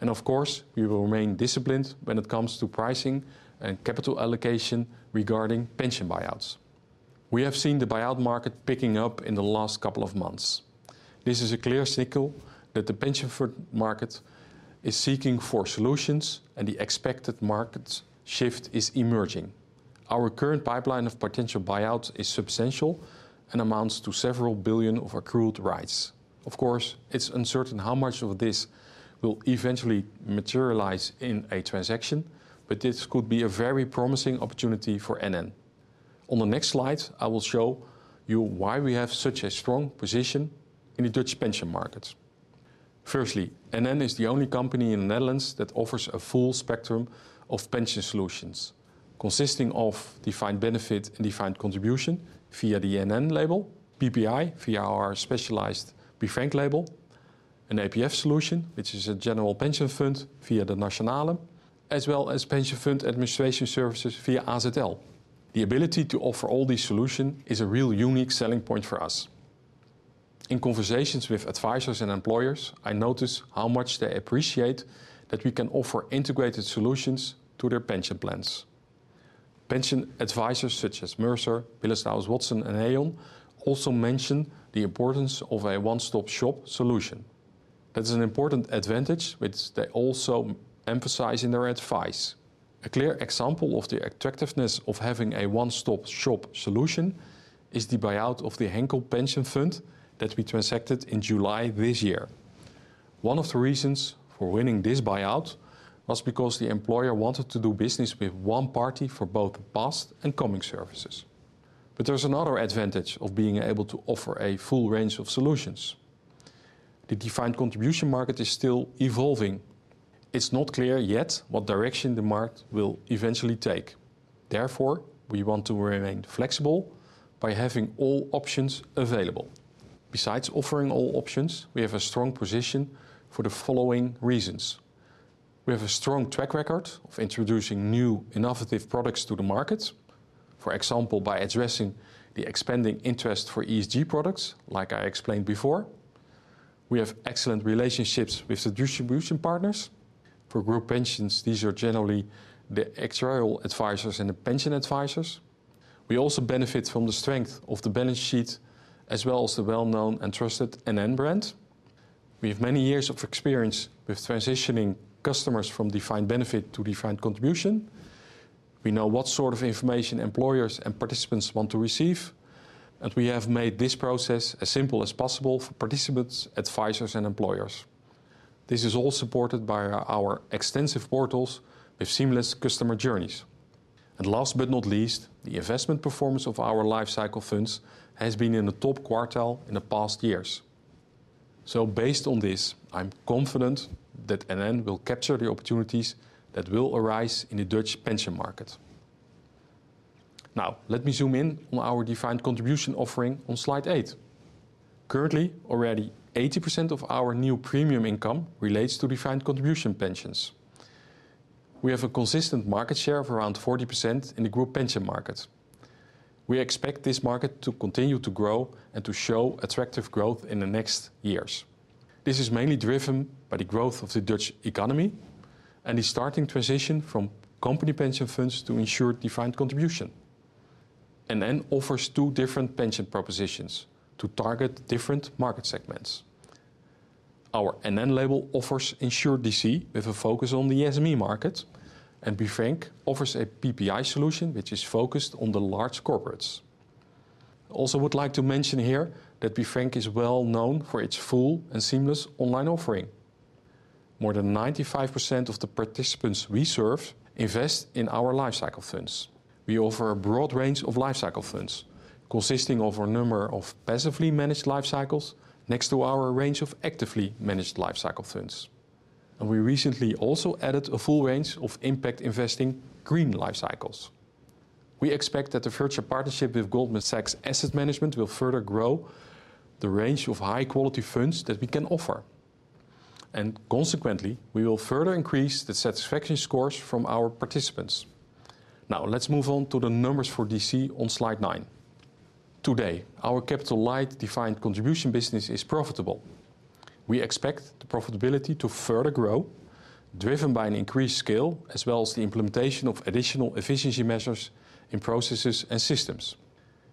Of course, we will remain disciplined when it comes to pricing and capital allocation regarding pension buyouts. We have seen the buyout market picking up in the last couple of months. This is a clear signal that the pension fund market is seeking for solutions and the expected market shift is emerging. Our current pipeline of potential buyouts is substantial and amounts to several billion EUR of accrued rights. Of course, it's uncertain how much of this will eventually materialize in a transaction, but this could be a very promising opportunity for NN. On the next slide, I will show you why we have such a strong position in the Dutch pension market. Firstly, NN is the only company in the Netherlands that offers a full spectrum of pension solutions consisting of defined benefit and defined contribution via the NN label, PPI via our specialized BeFrank label, an APF solution which is a general pension fund via De Nationale, as well as pension fund administration services via AZL. The ability to offer all these solutions is a real unique selling point for us. In conversations with advisors and employers, I notice how much they appreciate that we can offer integrated solutions to their pension plans. Pension advisors such as Mercer, Willis Towers Watson, and Aon also mention the importance of a one-stop shop solution. That is an important advantage which they also emphasize in their advice. A clear example of the attractiveness of having a one-stop shop solution is the buyout of the Henkel pension fund that we transacted in July this year. One of the reasons for winning this buyout was because the employer wanted to do business with one party for both past and coming services. There's another advantage of being able to offer a full range of solutions. The defined contribution market is still evolving. It's not clear yet what direction the market will eventually take. Therefore, we want to remain flexible by having all options available. Besides offering all options, we have a strong position for the following reasons. We have a strong track record of introducing new innovative products to the market. For example, by addressing the expanding interest for ESG products, like I explained before. We have excellent relationships with the distribution partners. For group pensions, these are generally the actuarial advisors and the pension advisors. We also benefit from the strength of the balance sheet as well as the well-known and trusted NN brand. We have many years of experience with transitioning customers from defined benefit to defined contribution. We know what sort of information employers and participants want to receive, and we have made this process as simple as possible for participants, advisors, and employers. This is all supported by our extensive portals with seamless customer journeys. Last but not least, the investment performance of our life cycle funds has been in the top quartile in the past years. Based on this, I'm confident that NN will capture the opportunities that will arise in the Dutch pension market. Now, let me zoom in on our defined contribution offering on slide eight. Currently, already 80% of our new premium income relates to defined contribution pensions. We have a consistent market share of around 40% in the group pension market. We expect this market to continue to grow and to show attractive growth in the next years. This is mainly driven by the growth of the Dutch economy and the starting transition from company pension funds to insured defined contribution. NN offers two different pension propositions to target different market segments. Our NN label offers insured DC with a focus on the SME market, and BeFrank offers a PPI solution which is focused on the large corporates. Also would like to mention here that BeFrank is well known for its full and seamless online offering. More than 95% of the participants we serve invest in our life cycle funds. We offer a broad range of life cycle funds consisting of a number of passively managed life cycles next to our range of actively managed life cycle funds. We recently also added a full range of impact investing green life cycles. We expect that the future partnership with Goldman Sachs Asset Management will further grow the range of high-quality funds that we can offer. Consequently, we will further increase the satisfaction scores from our participants. Now, let's move on to the numbers for DC on slide nine. Today, our capital-light defined contribution business is profitable. We expect the profitability to further grow, driven by an increased scale as well as the implementation of additional efficiency measures in processes and systems.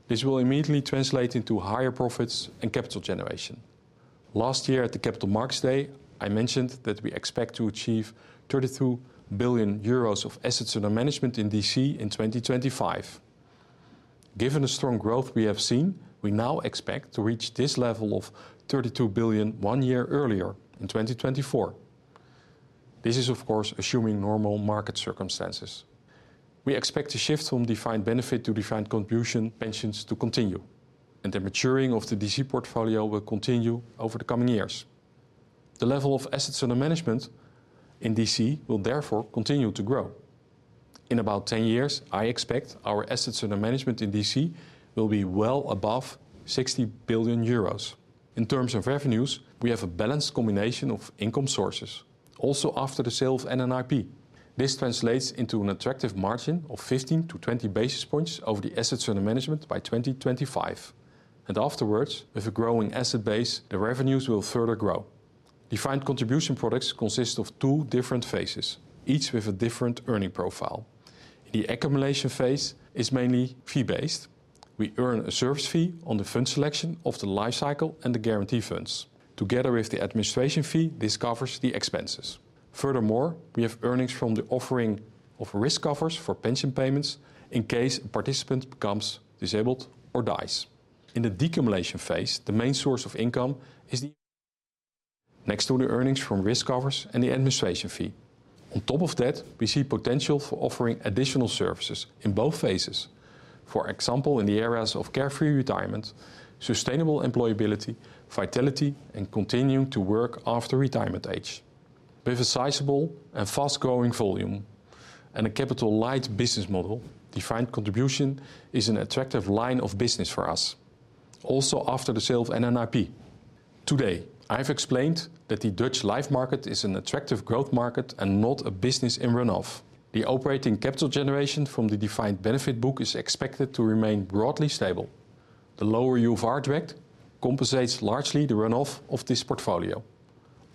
This will immediately translate into higher profits and capital generation. Last year at the Capital Markets Day, I mentioned that we expect to achieve 32 billion euros of assets under management in DC in 2025. Given the strong growth we have seen, we now expect to reach this level of 32 billion one year earlier in 2024. This is, of course, assuming normal market circumstances. We expect the shift from defined benefit to defined contribution pensions to continue, and the maturing of the DC portfolio will continue over the coming years. The level of assets under management in DC will therefore continue to grow. In about 10 years, I expect our assets under management in DC will be well above 60 billion euros. In terms of revenues, we have a balanced combination of income sources. Also, after the sale of NNIP, this translates into an attractive margin of 15-20 basis points over the assets under management by 2025. Afterwards, with a growing asset base, the revenues will further grow. Defined contribution products consist of two different phases, each with a different earning profile. The accumulation phase is mainly fee-based. We earn a service fee on the fund selection of the life cycle and the guarantee funds. Together with the administration fee, this covers the expenses. Furthermore, we have earnings from the offering of risk covers for pension payments in case a participant becomes disabled or dies. In the decumulation phase, the main source of income is annuities, the earnings from risk covers and the administration fee. On top of that, we see potential for offering additional services in both phases. For example, in the areas of carefree retirement, sustainable employability, vitality, and continuing to work after retirement age. With a sizable and fast-growing volume and a capital-light business model, defined contribution is an attractive line of business for us, also after the sale of NNIP. Today, I've explained that the Dutch life market is an attractive growth market and not a business in runoff. The operating capital generation from the defined benefit book is expected to remain broadly stable. The lower UFR directly compensates largely the runoff of this portfolio.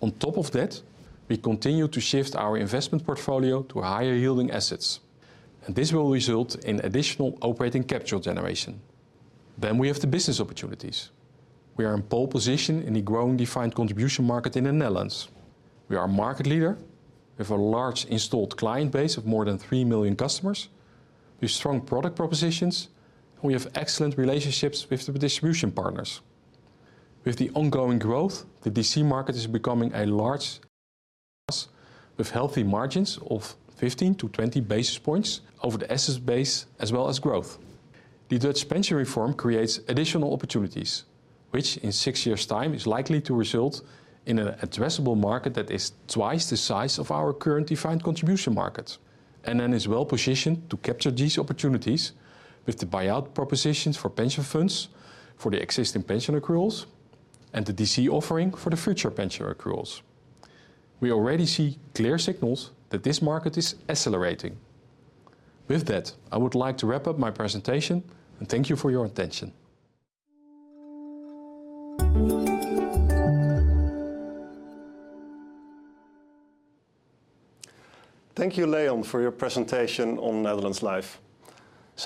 On top of that, we continue to shift our investment portfolio to higher-yielding assets, and this will result in additional operating capital generation. We have the business opportunities. We are in pole position in the growing defined contribution market in the Netherlands. We are a market leader with a large installed client base of more than 3 million customers with strong product propositions, and we have excellent relationships with the distribution partners. With the ongoing growth, the DC market is becoming larger with healthy margins of 15-20 basis points over the asset base as well as growth. The Dutch pension reform creates additional opportunities, which in six years' time is likely to result in an addressable market that is twice the size of our current defined contribution market. NN is well-positioned to capture these opportunities with the buyout propositions for pension funds for the existing pension accruals and the DC offering for the future pension accruals. We already see clear signals that this market is accelerating. With that, I would like to wrap up my presentation and thank you for your attention. Thank you, Leon, for your presentation on Netherlands Life.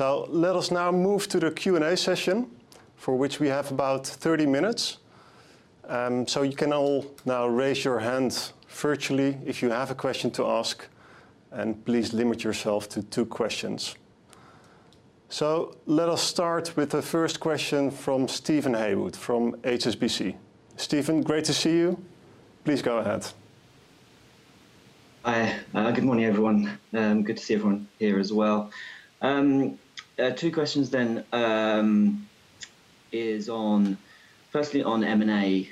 Let us now move to the Q&A session, for which we have about 30 minutes. You can all now raise your hand virtually if you have a question to ask, and please limit yourself to two questions. Let us start with the first question from Steven Haywood from HSBC. Steven, great to see you. Please go ahead. Hi. Good morning, everyone. Good to see everyone here as well. Two questions. Firstly on M&A.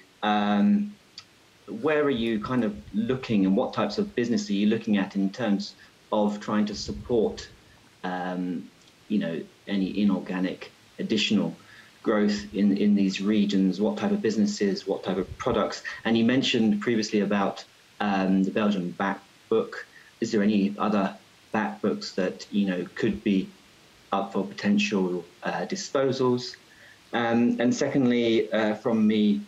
Where are you kind of looking, and what types of business are you looking at in terms of trying to support, you know, any inorganic additional growth in these regions? What type of businesses? What type of products? You mentioned previously about the Belgian back book. Is there any other back books that, you know, could be up for potential disposals? Secondly, from me,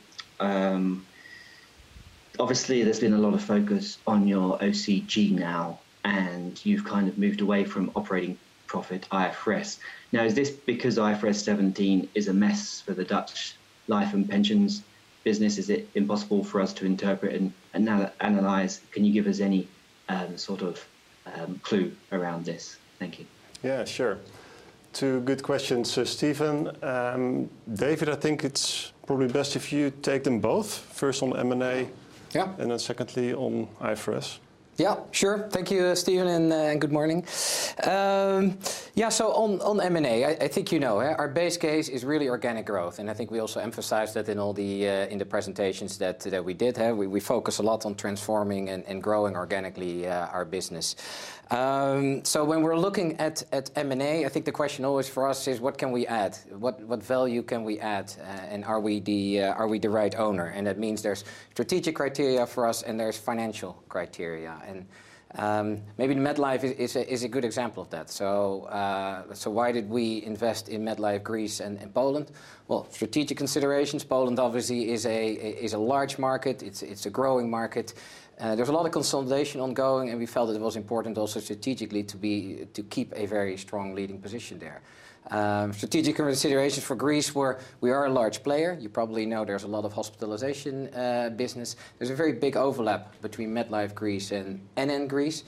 obviously there's been a lot of focus on your OCG now, and you've kind of moved away from operating profit IFRS. Is this because IFRS 17 is a mess for the Dutch life and pensions business? Is it impossible for us to interpret and analyze? Can you give us any sort of clue around this? Thank you. Yeah, sure. Two good questions Steven. David, I think it's probably best if you take them both, first on M&A. Yeah secondly on IFRS. Yeah, sure. Thank you, Steven, and good morning. Yeah, so on M&A, I think you know, our base case is really organic growth. I think we also emphasized that in all the presentations that we did. We focus a lot on transforming and growing organically our business. When we're looking at M&A, I think the question always for us is what can we add? What value can we add, and are we the right owner? That means there's strategic criteria for us, and there's financial criteria. Maybe MetLife is a good example of that. Why did we invest in MetLife Greece and MetLife Poland? Well, strategic considerations. Poland obviously is a large market. It's a growing market. There's a lot of consolidation ongoing, and we felt that it was important also strategically to keep a very strong leading position there. Strategic considerations for Greece were we are a large player. You probably know there's a lot of hospitalization business. There's a very big overlap between MetLife Greece and NN Hellas.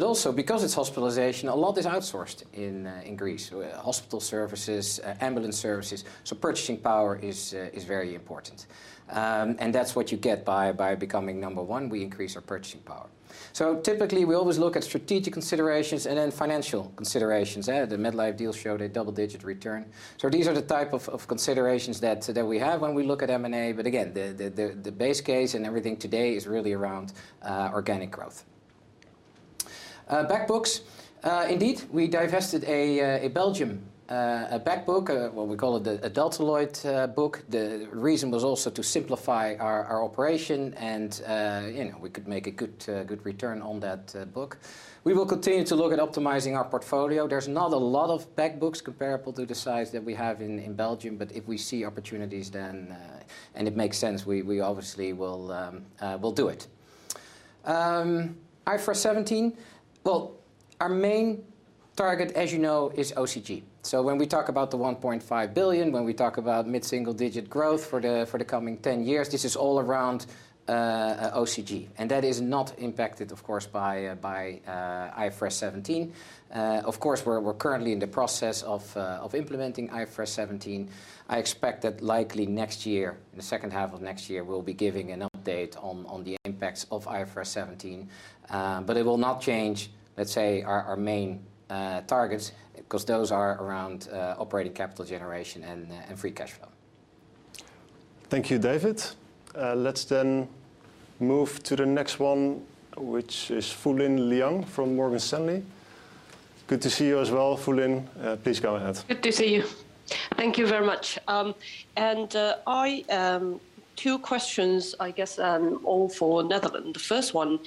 Also because it's hospitalization, a lot is outsourced in Greece, hospital services, ambulance services, so purchasing power is very important. That's what you get by becoming number one, we increase our purchasing power. Typically, we always look at strategic considerations and then financial considerations. The MetLife deal showed a double-digit return. These are the type of considerations that we have when we look at M&A. Again, the base case and everything today is really around organic growth. Back books. Indeed, we divested a Belgian back book, what we call the Adelphoi book. The reason was also to simplify our operation, and you know, we could make a good return on that book. We will continue to look at optimizing our portfolio. There's not a lot of back books comparable to the size that we have in Belgium. If we see opportunities then and it makes sense, we obviously will do it. IFRS 17. Well, our main target, as you know, is OCG. When we talk about the 1.5 billion, when we talk about mid-single-digit growth for the coming 10 years, this is all around OCG. That is not impacted, of course, by IFRS 17. Of course, we're currently in the process of implementing IFRS 17. I expect that likely next year, the second half of next year, we'll be giving an update on the impacts of IFRS 17. It will not change, let's say, our main targets, 'cause those are around operating capital generation and free cash flow. Thank you, David. Let's then move to the next one, which is Fulin Liang from Morgan Stanley. Good to see you as well, Fulin. Please go ahead. Good to see you. Thank you very much. I have two questions, I guess, all for Netherlands. The first one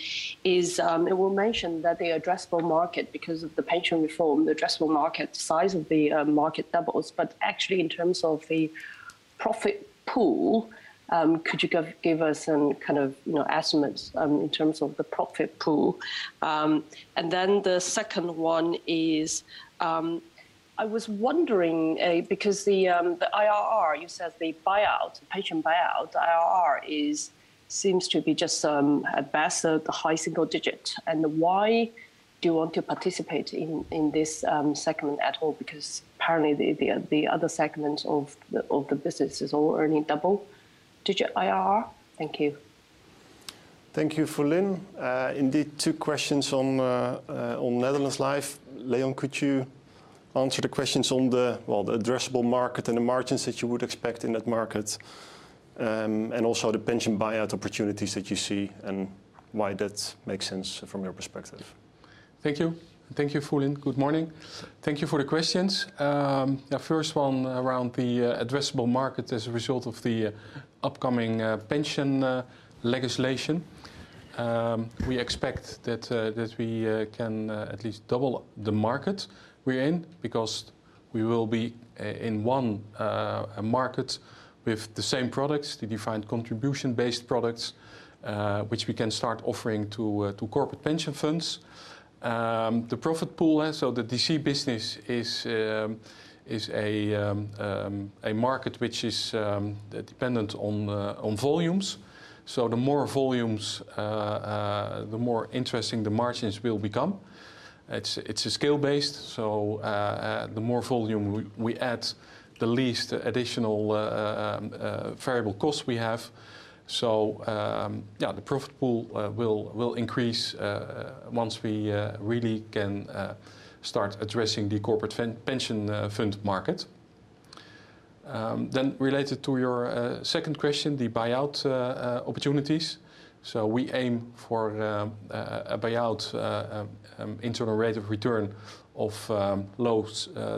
is, it was mentioned that the addressable market, because of the pension reform, the addressable market size of the market doubles. Actually, in terms of the profit pool, could you give us some kind of, you know, estimates, in terms of the profit pool? The second one is, I was wondering, because the IRR, you said the buyout, pension buyout IRR seems to be just, at best, the high single digit. Why do you want to participate in this segment at all? Because apparently the other segments of the business is already double-digit IRR. Thank you. Thank you, Fulin. Indeed, two questions on Netherlands Life. Leon, could you answer the questions on the, well, the addressable market and the margins that you would expect in that market? Also the pension buyout opportunities that you see and why that makes sense from your perspective. Thank you. Thank you, Fulin. Good morning. Thank you for the questions. The first one around the addressable market as a result of the upcoming pension legislation. We expect that we can at least double the market we're in because we will be in one market with the same products, the defined contribution-based products, which we can start offering to corporate pension funds. The profit pool, so the DC business is a market which is dependent on volumes. The more volumes, the more interesting the margins will become. It's skill-based, so the more volume we add, the less additional variable cost we have. Yeah, the profit pool will increase once we really can start addressing the corporate pension fund market. Related to your second question, the buyout opportunities. We aim for a buyout internal rate of return of low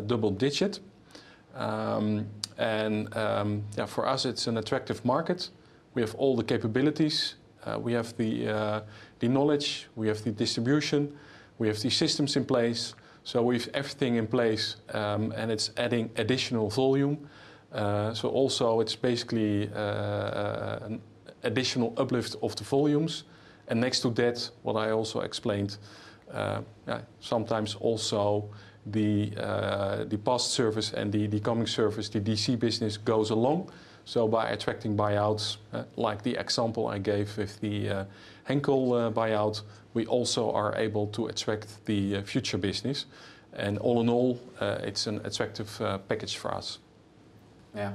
double-digit. Yeah, for us it's an attractive market. We have all the capabilities, we have the knowledge, we have the distribution, we have the systems in place. We have everything in place, and it's adding additional volume. Also it's basically an additional uplift of the volumes. Next to that, what I also explained, sometimes also the past service and the coming service, the DC business goes along. By attracting buyouts, like the example I gave with the Henkel buyout, we also are able to attract the future business. All in all, it's an attractive package for us. Yeah,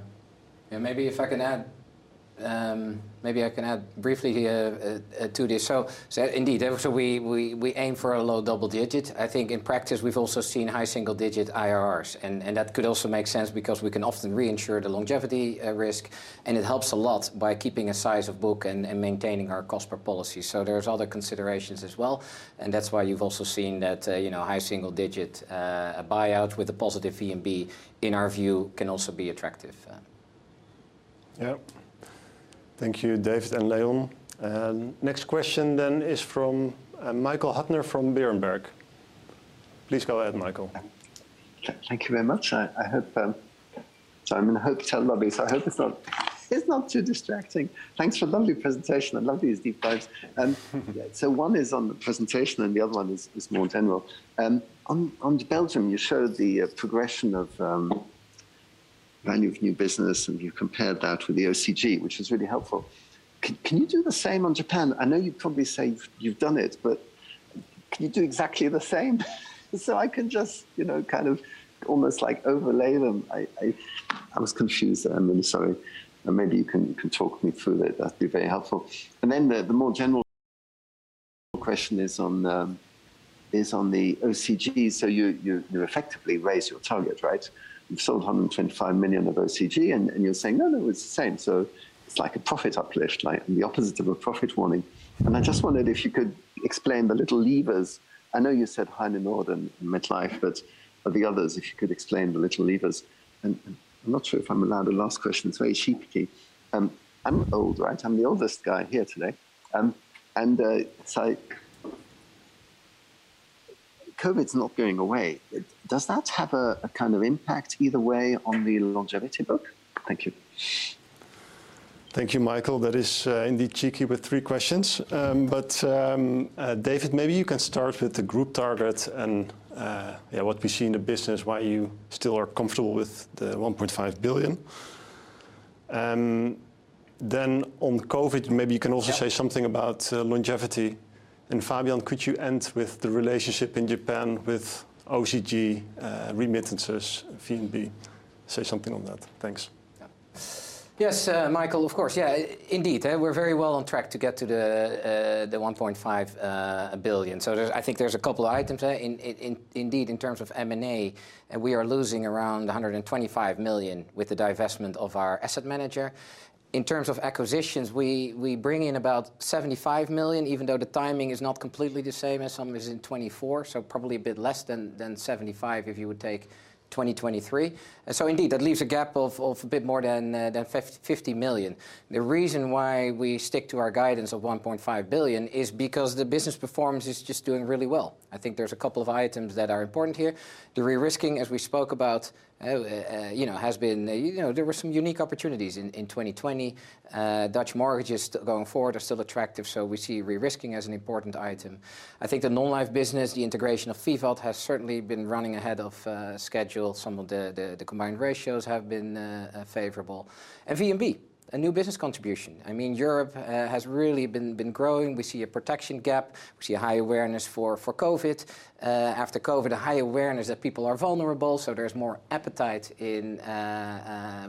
maybe I can add briefly to this. Indeed, we aim for a low double digit. I think in practice we've also seen high single digit IRRs. That could also make sense because we can often reinsure the longevity risk, and it helps a lot by keeping a size of book and maintaining our cost per policy. There's other considerations as well, and that's why you've also seen that, you know, high single digit buyout with a positive VNB in our view can also be attractive. Yeah. Thank you, David and Leon. Next question then is from Michael Huttner from Berenberg. Please go ahead, Michael. Thank you very much. I hope so I'm in a hotel lobby, so I hope it's not too distracting. Thanks for a lovely presentation. I love these deep dives. One is on the presentation and the other one is more general. On the Belgium you showed the progression of value of new business, and you compared that with the OCG, which is really helpful. Can you do the same on Japan? I know you'd probably say you've done it, but can you do exactly the same so I can just you know kind of almost like overlay them? I was confused. I'm really sorry. Maybe you can talk me through it. That'd be very helpful. The more general question is on the OCG. You effectively raised your target, right? You've sold 125 million of OCG, and you're saying, "No, no, it's the same." It's like a profit uplift, like the opposite of a profit warning. I just wondered if you could explain the little levers. I know you said Heinenoord and MetLife, but of the others, if you could explain the little levers. I'm not sure if I'm allowed a last question, it's very cheeky. I'm old, right? I'm the oldest guy here today. COVID's not going away. Does that have a kind of impact either way on the longevity book? Thank you. Thank you, Michael. That is indeed cheeky with three questions. But David, maybe you can start with the group target and yeah, what we see in the business, why you still are comfortable with the 1.5 billion. Then on COVID, maybe you can also say something about longevity. And Fabian, could you end with the relationship in Japan with OCG, remittances, VNB? Say something on that. Thanks. Yes, Michael, of course. Indeed, we're very well on track to get to the 1.5 billion. I think there's a couple items. Indeed, in terms of M&A, we are losing around 125 million with the divestment of our asset manager. In terms of acquisitions, we bring in about 75 million, even though the timing is not completely the same, as some is in 2024, so probably a bit less than 75 million if you would take 2023. Indeed, that leaves a gap of a bit more than 50 million. The reason why we stick to our guidance of 1.5 billion is because the business performance is just doing really well. I think there's a couple of items that are important here. The risking, as we spoke about, has been there were some unique opportunities in 2020. Dutch mortgages going forward are still attractive, so we see risking as an important item. I think the non-life business, the integration of VIVAT has certainly been running ahead of schedule. Some of the combined ratios have been favorable. VNB, a new business contribution. I mean, Europe has really been growing. We see a protection gap. We see a high awareness for COVID. After COVID, a high awareness that people are vulnerable, so there's more appetite in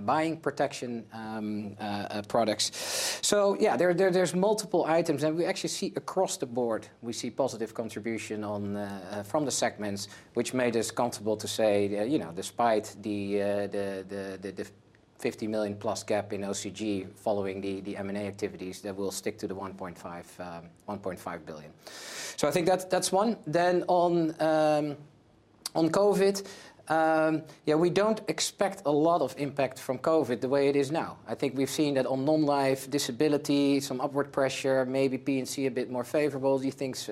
buying protection products. Yeah, there's multiple items, and we actually see across the board, we see positive contribution from the segments, which made us comfortable to say, you know, despite the 50 million+ gap in OCG following the M&A activities, that we'll stick to the 1.5 billion. I think that's one. On COVID, yeah, we don't expect a lot of impact from COVID the way it is now. I think we've seen that on non-life disability, some upward pressure, maybe P&C a bit more favorable. These things,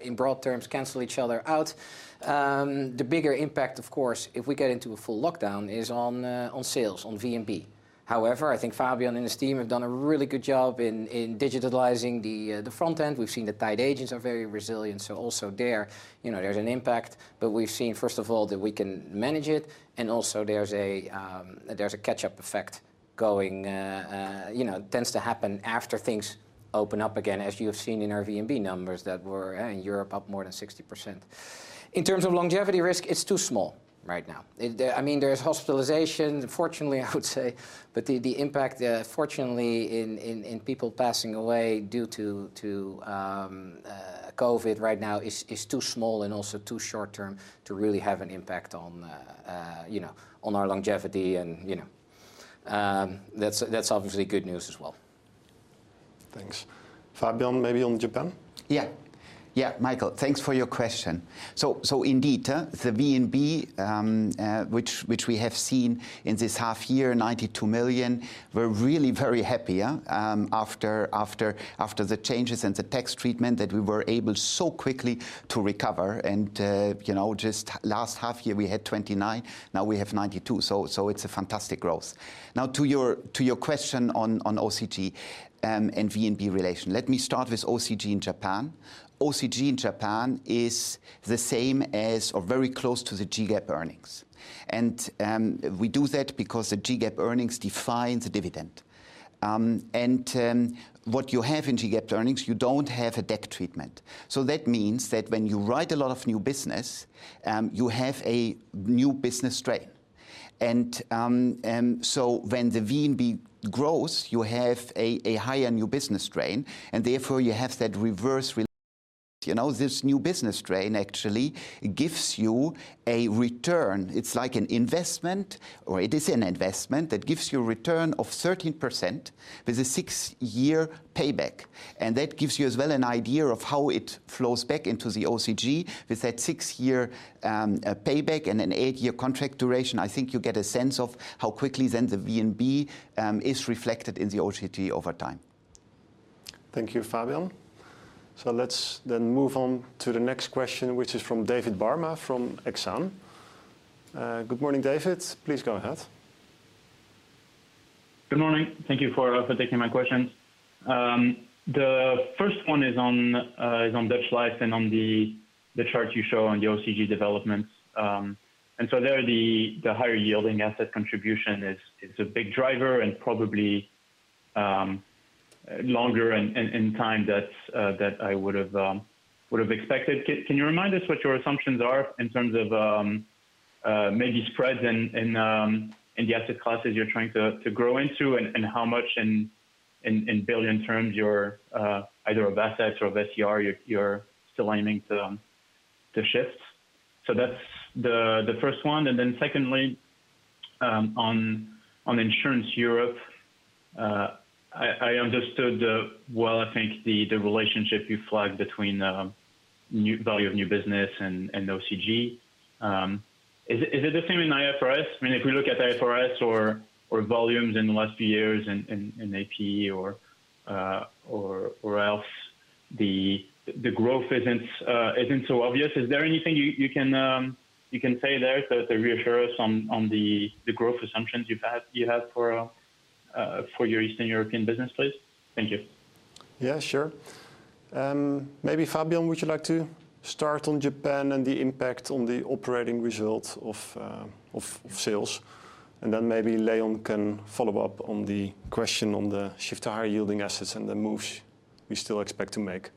in broad terms, cancel each other out. The bigger impact, of course, if we get into a full lockdown, is on sales, on VNB. However, I think Fabian and his team have done a really good job in digitizing the front end. We've seen the tied agents are very resilient, so also there, you know, there's an impact. But we've seen, first of all, that we can manage it, and also there's a catch-up effect. You know, tends to happen after things open up again, as you have seen in our VNB numbers that were in Europe up more than 60%. In terms of longevity risk, it's too small right now. It, I mean, there's hospitalization, fortunately I would say, but the impact, fortunately, in people passing away due to COVID right now is too small and also too short term to really have an impact on, you know, on our longevity and, you know. That's obviously good news as well. Thanks. Fabian, maybe on Japan? Yeah. Michael, thanks for your question. Indeed, the VNB, which we have seen in this half year 92 million, we're really very happy, after the changes in the tax treatment that we were able so quickly to recover. You know, just last half year we had 29 million, now we have 92 million, so it's a fantastic growth. Now to your question on OCG and VNB relation. Let me start with OCG in Japan. OCG in Japan is the same as or very close to the GEGAB earnings. We do that because the GEGAB earnings defines the dividend. What you have in GEGAB earnings, you don't have a debit treatment. So that means that when you write a lot of new business, you have a new business strain. When the VNB grows, you have a higher new business strain, and therefore you have that reverse relationship. You know, this new business strain actually gives you a return. It's like an investment or it is an investment that gives you a return of 13% with a six-year payback. That gives you as well an idea of how it flows back into the OCG. With that six-year payback and an eight-year contract duration, I think you'll get a sense of how quickly then the VNB is reflected in the OCG over time. Thank you, Fabian. Let's then move on to the next question, which is from David Barma from Exane. Good morning, David. Please go ahead. Good morning. Thank you for taking my questions. The first one is on Dutch Life and on the chart you show on the OCG developments. There the higher yielding asset contribution is a big driver and probably longer in time than I would've expected. Can you remind us what your assumptions are in terms of maybe spreads and the asset classes you're trying to grow into and how much in billion terms you're either of assets or of SCR you're still aiming to shift? That's the first one. Secondly, on Insurance Europe, I understood, well I think, the relationship you flagged between value of new business and OCG. Is it the same in IFRS? I mean, if we look at IFRS or volumes in the last few years in APF or elsewhere, the growth isn't so obvious. Is there anything you can say there to reassure us on the growth assumptions you have for your Eastern European business, please? Thank you. Yeah, sure. Maybe Fabian, would you like to start on Japan and the impact on the operating results of sales? Then maybe Leon can follow up on the question on the shift to higher yielding assets and the moves we still expect to make.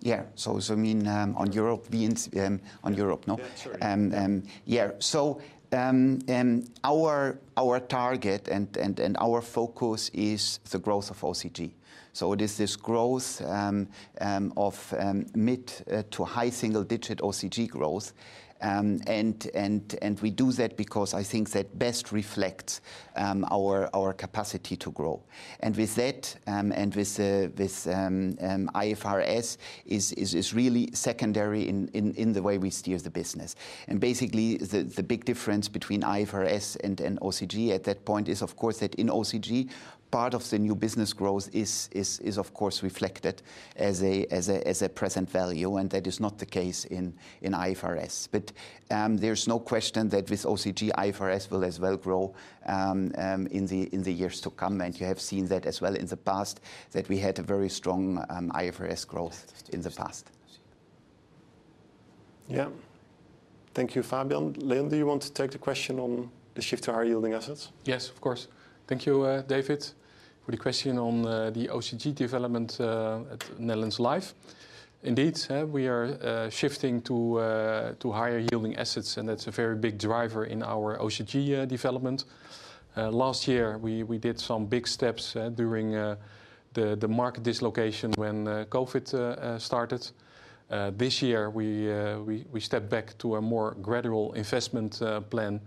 Yeah. You mean, on European VNB, on European, no? Yeah, sure. Our target and our focus is the growth of OCG. It is this growth of mid- to high-single-digit OCG growth. We do that because I think that best reflects our capacity to grow. With that, IFRS is really secondary in the way we steer the business. Basically the big difference between IFRS and OCG at that point is of course that in OCG part of the new business growth is of course reflected as a present value, and that is not the case in IFRS. There's no question that with OCG, IFRS will as well grow in the years to come. You have seen that as well in the past, that we had a very strong IFRS growth in the past. Yeah. Thank you, Fabian. Leon, do you want to take the question on the shift to higher yielding assets? Yes, of course. Thank you, David, for the question on the OCG development at Netherlands Life. Indeed, we are shifting to higher yielding assets, and that's a very big driver in our OCG development. Last year we did some big steps during the market dislocation when COVID started. This year we stepped back to a more gradual investment plan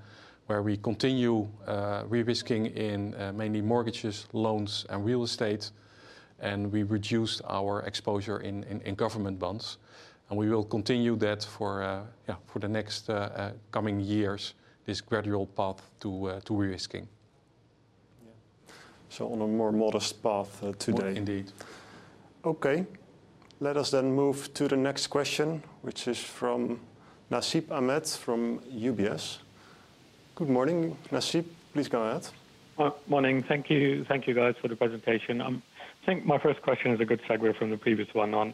where we continue re-risking in mainly mortgages, loans, and real estate. We reduced our exposure in government bonds. We will continue that for the next coming years, this gradual path to re-risking. Yeah. On a more modest path, today. More indeed. Okay. Let us then move to the next question, which is from Nasib Ahmed from UBS. Good morning, Nasib. Please go ahead. Morning. Thank you. Thank you guys for the presentation. Think my first question is a good segue from the previous one on.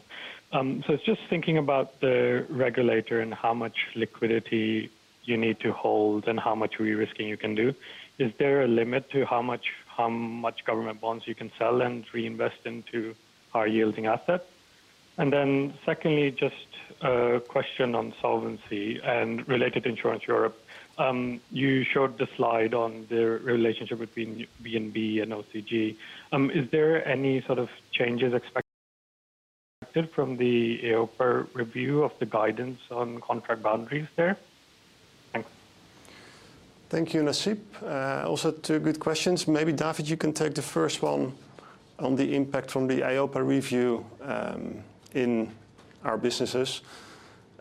So it's just thinking about the regulator and how much liquidity you need to hold and how much re-risking you can do. Is there a limit to how much government bonds you can sell and reinvest into higher yielding assets? And then secondly, just a question on solvency and related to Insurance Europe. You showed the slide on the relationship between VNB and SCR. Is there any sort of changes expected from the EIOPA review of the guidance on contract boundaries there? Thanks. Thank you, Nasib. Also two good questions. Maybe David, you can take the first one on the impact from the EIOPA review in our businesses.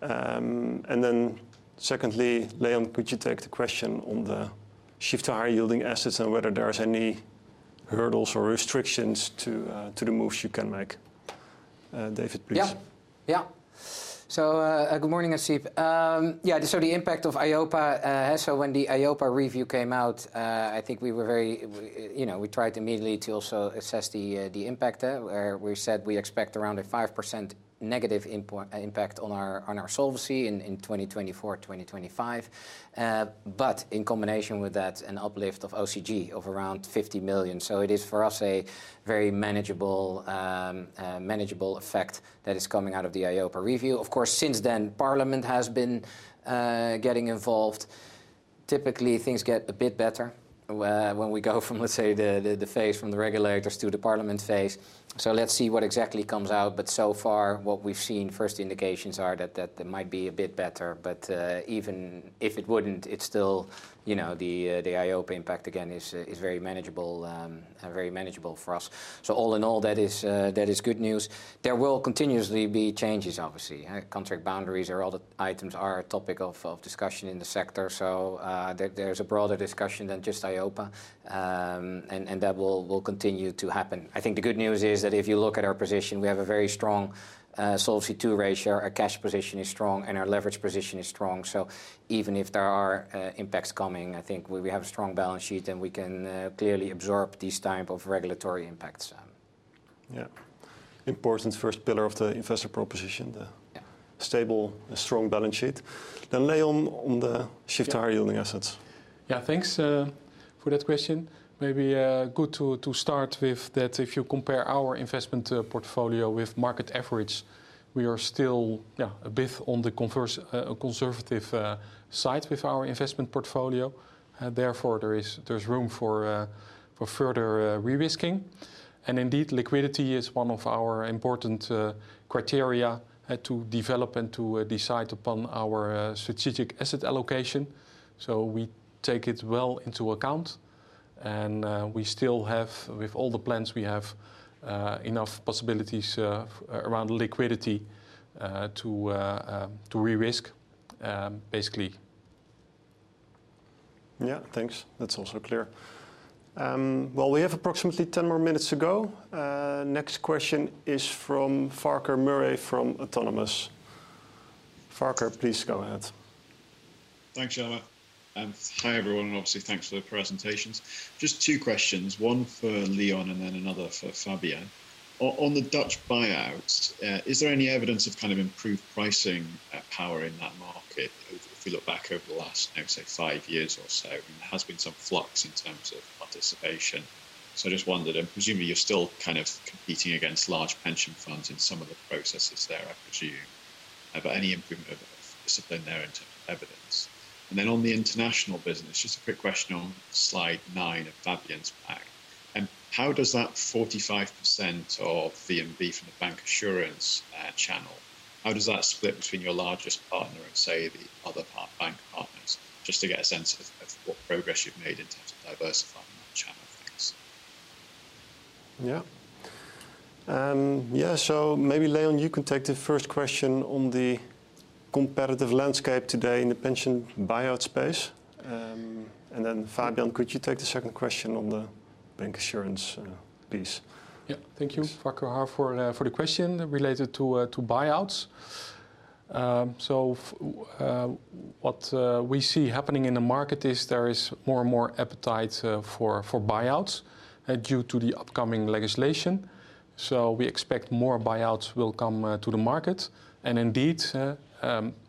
Then secondly, Leon, could you take the question on the shift to higher yielding assets and whether there is any hurdles or restrictions to the moves you can make? David, please. Good morning, Nasib. The impact of EIOPA. When the EIOPA review came out, I think we were very, you know, we tried immediately to also assess the impact, where we said we expect around a 5% negative impact on our solvency in 2024-2025. But in combination with that, an uplift of OCG of around 50 million. It is for us a very manageable effect that is coming out of the EIOPA review. Of course, since then, parliament has been getting involved. Typically, things get a bit better when we go from, let's say, the phase from the regulators to the parliament phase. Let's see what exactly comes out. So far, what we've seen, first indications are that they might be a bit better. Even if it wouldn't, it's still, you know, the EIOPA impact again is very manageable for us. All in all, that is good news. There will continuously be changes, obviously. Contract boundaries or other items are a topic of discussion in the sector. There's a broader discussion than just EIOPA. And that will continue to happen. I think the good news is that if you look at our position, we have a very strong Solvency II ratio. Our cash position is strong, and our leverage position is strong. Even if there are impacts coming, I think we have a strong balance sheet, and we can clearly absorb these type of regulatory impacts. Important first pillar of the investor proposition. Yeah. Stable, strong balance sheet. Leon on the shift to higher yielding assets. Thanks for that question. Maybe good to start with that if you compare our investment portfolio with market average, we are still a bit on the conservative side with our investment portfolio. Therefore, there is room for further re-risking. Indeed, liquidity is one of our important criteria to develop and to decide upon our strategic asset allocation. We take it well into account, and we still have, with all the plans, enough possibilities around liquidity to re-risk basically. Yeah, thanks. That's also clear. Well, we have approximately 10 more minutes to go. Next question is from Farquhar Murray from Autonomous. Farquhar, please go ahead. Thanks, Jelmer. Hi, everyone, and obviously thanks for the presentations. Just two questions, one for Leon and then another for Fabian. On the Dutch buyouts, is there any evidence of kind of improved pricing power in that market? If we look back over the last, maybe say five years or so, there has been some flux in terms of participation. I just wondered, I'm presuming you're still kind of competing against large pension funds in some of the processes there, I presume. Any improvement of discipline there in terms of evidence? Then on the international business, just a quick question on slide nine of Fabian's pack. How does that 45% of VNB from the bancassurance channel split between your largest partner and say the other partner banks? Just to get a sense of what progress you've made in terms of diversifying that channel, thanks. Maybe Leon, you can take the first question on the competitive landscape today in the pension buyout space. Fabian, could you take the second question on the bancassurance piece? Yeah. Thank you, Farquhar, for the question related to buyouts. What we see happening in the market is there is more and more appetite for buyouts due to the upcoming legislation. We expect more buyouts will come to the market. Indeed,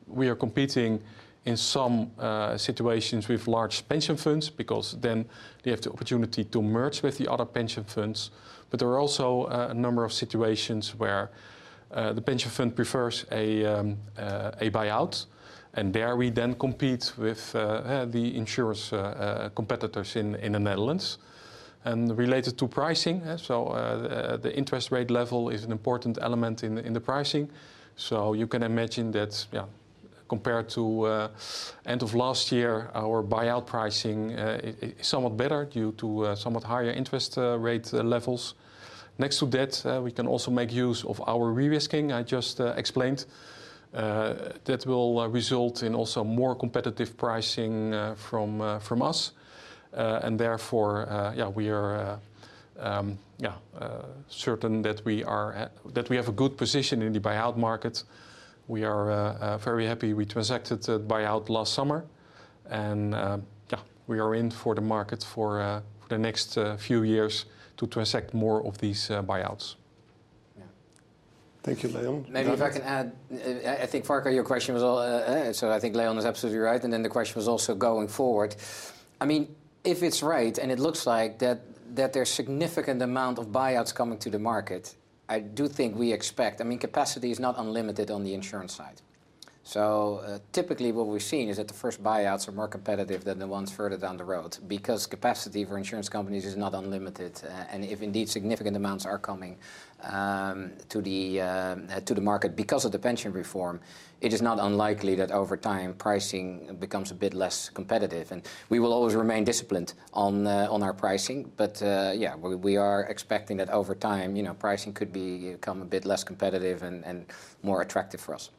we are competing in some situations with large pension funds because then they have the opportunity to merge with the other pension funds. There are also a number of situations where the pension fund prefers a buyout, and there we then compete with the insurance competitors in the Netherlands. Related to pricing, the interest rate level is an important element in the pricing. You can imagine that, compared to end of last year, our buyout pricing is somewhat better due to somewhat higher interest rate levels. Next to that, we can also make use of our re-risking I just explained. That will result in also more competitive pricing from us. Therefore, we are certain that we have a good position in the buyout market. We are very happy we transacted the buyout last summer, and we are in the market for the next few years to transact more of these buyouts. Thank you, Leon. Maybe if I can add, I think Farquhar, your question was all, so I think Leon is absolutely right, and then the question was also going forward. I mean, if it's right, and it looks like that there's significant amount of buyouts coming to the market, I do think we expect. I mean, capacity is not unlimited on the insurance side. Typically what we've seen is that the first buyouts are more competitive than the ones further down the road, because capacity for insurance companies is not unlimited. And if indeed significant amounts are coming to the market because of the pension reform, it is not unlikely that over time pricing becomes a bit less competitive. We will always remain disciplined on our pricing, but yeah, we are expecting that over time, you know, pricing could become a bit less competitive and more attractive for us.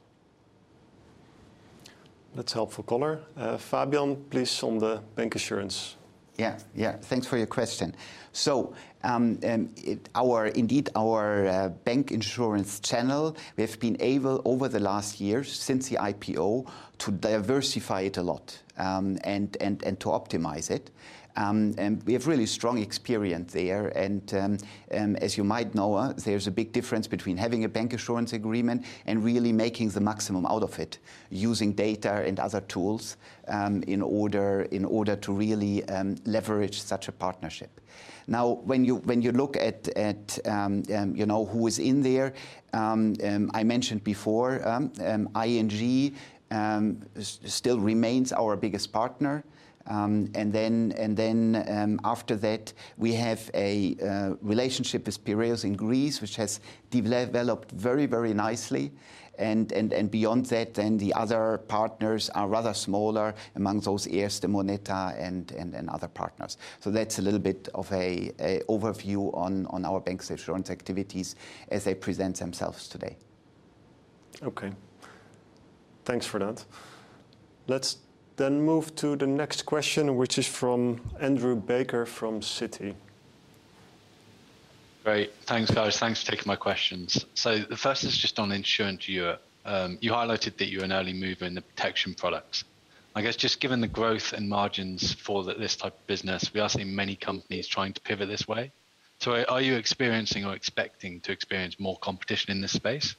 That's helpful color. Fabian, please on the bancassurance. Yeah. Yeah, thanks for your question. Indeed, our bank insurance channel, we have been able over the last year since the IPO to diversify it a lot, and to optimize it. We have really strong experience there. As you might know, there's a big difference between having a bank insurance agreement and really making the maximum out of it using data and other tools, in order to really leverage such a partnership. Now, when you look at who is in there, you know, I mentioned before, ING still remains our biggest partner. And then, after that, we have a relationship with Piraeus in Greece, which has developed very nicely. Beyond that, then the other partners are rather smaller. Among those, Erste, Moneta, and other partners. That's a little bit of an overview on our bancassurance activities as they present themselves today. Okay. Thanks for that. Let's then move to the next question, which is from Andrew Baker from Citi. Great. Thanks, guys. Thanks for taking my questions. The first is just on Insurance Europe. You highlighted that you're an early mover in the protection products. I guess just given the growth and margins for this type of business, we are seeing many companies trying to pivot this way. Are you experiencing or expecting to experience more competition in this space?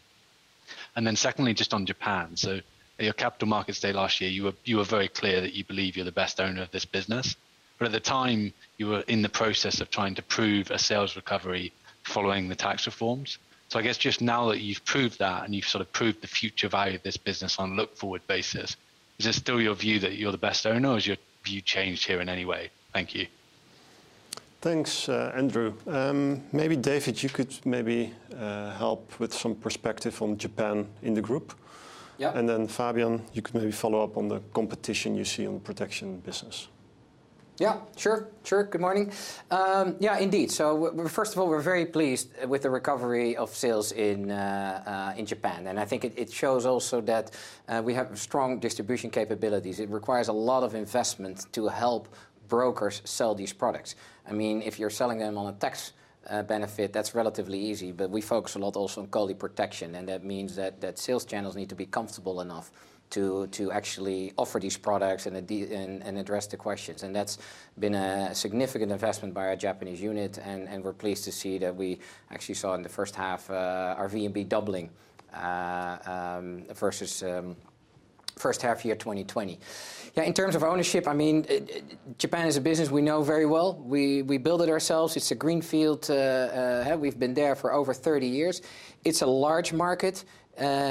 Then secondly, just on Japan. At your Capital Markets Day last year, you were very clear that you believe you're the best owner of this business. At the time, you were in the process of trying to prove a sales recovery following the tax reforms. I guess just now that you've proved that, and you've sort of proved the future value of this business on a look-forward basis, is it still your view that you're the best owner, or has your view changed here in any way? Thank you. Thanks, Andrew. Maybe David, you could maybe help with some perspective on Japan in the group. Yeah. Fabian, you could maybe follow up on the competition you see on the protection business. Yeah. Sure, sure. Good morning. Yeah, indeed. First of all, we're very pleased with the recovery of sales in Japan, and I think it shows also that we have strong distribution capabilities. It requires a lot of investment to help brokers sell these products. I mean, if you're selling them on a tax benefit, that's relatively easy, but we focus a lot also on quality protection, and that means that sales channels need to be comfortable enough to actually offer these products and address the questions. That's been a significant investment by our Japanese unit and we're pleased to see that we actually saw in the first half our VNB doubling versus first half year 2020. Yeah, in terms of ownership, I mean, Japan is a business we know very well. We build it ourselves. It's a greenfield, we've been there for over 30 years. It's a large market,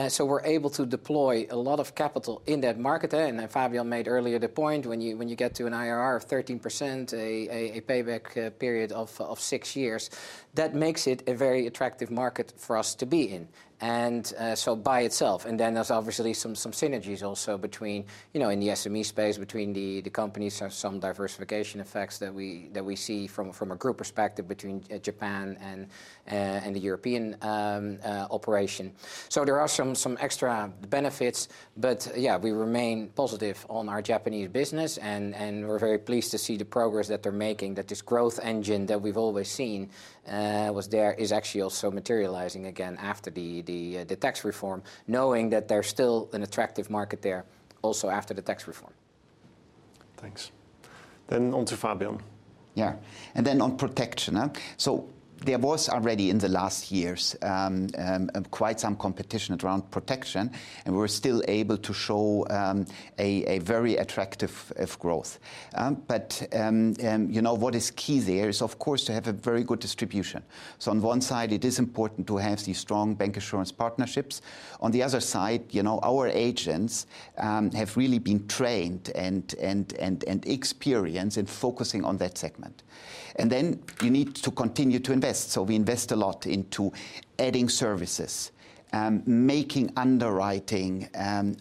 so we're able to deploy a lot of capital in that market. Fabian made earlier the point, when you get to an IRR of 13%, a payback period of six years, that makes it a very attractive market for us to be in. By itself, and then there's obviously some synergies also between, you know, in the SME space between the companies have some diversification effects that we see from a group perspective between Japan and the European operation. There are some extra benefits. Yeah, we remain positive on our Japanese business and we're very pleased to see the progress that they're making, that this growth engine that we've always seen was there is actually also materializing again after the tax reform, knowing that there's still an attractive market there also after the tax reform. Thanks. On to Fabian. There was already in the last years quite some competition around protection, and we're still able to show a very attractive growth. But you know, what is key there is, of course, to have a very good distribution. On one side, it is important to have these strong bancassurance partnerships. On the other side, you know, our agents have really been trained and experienced in focusing on that segment. You need to continue to invest. We invest a lot into adding services, making underwriting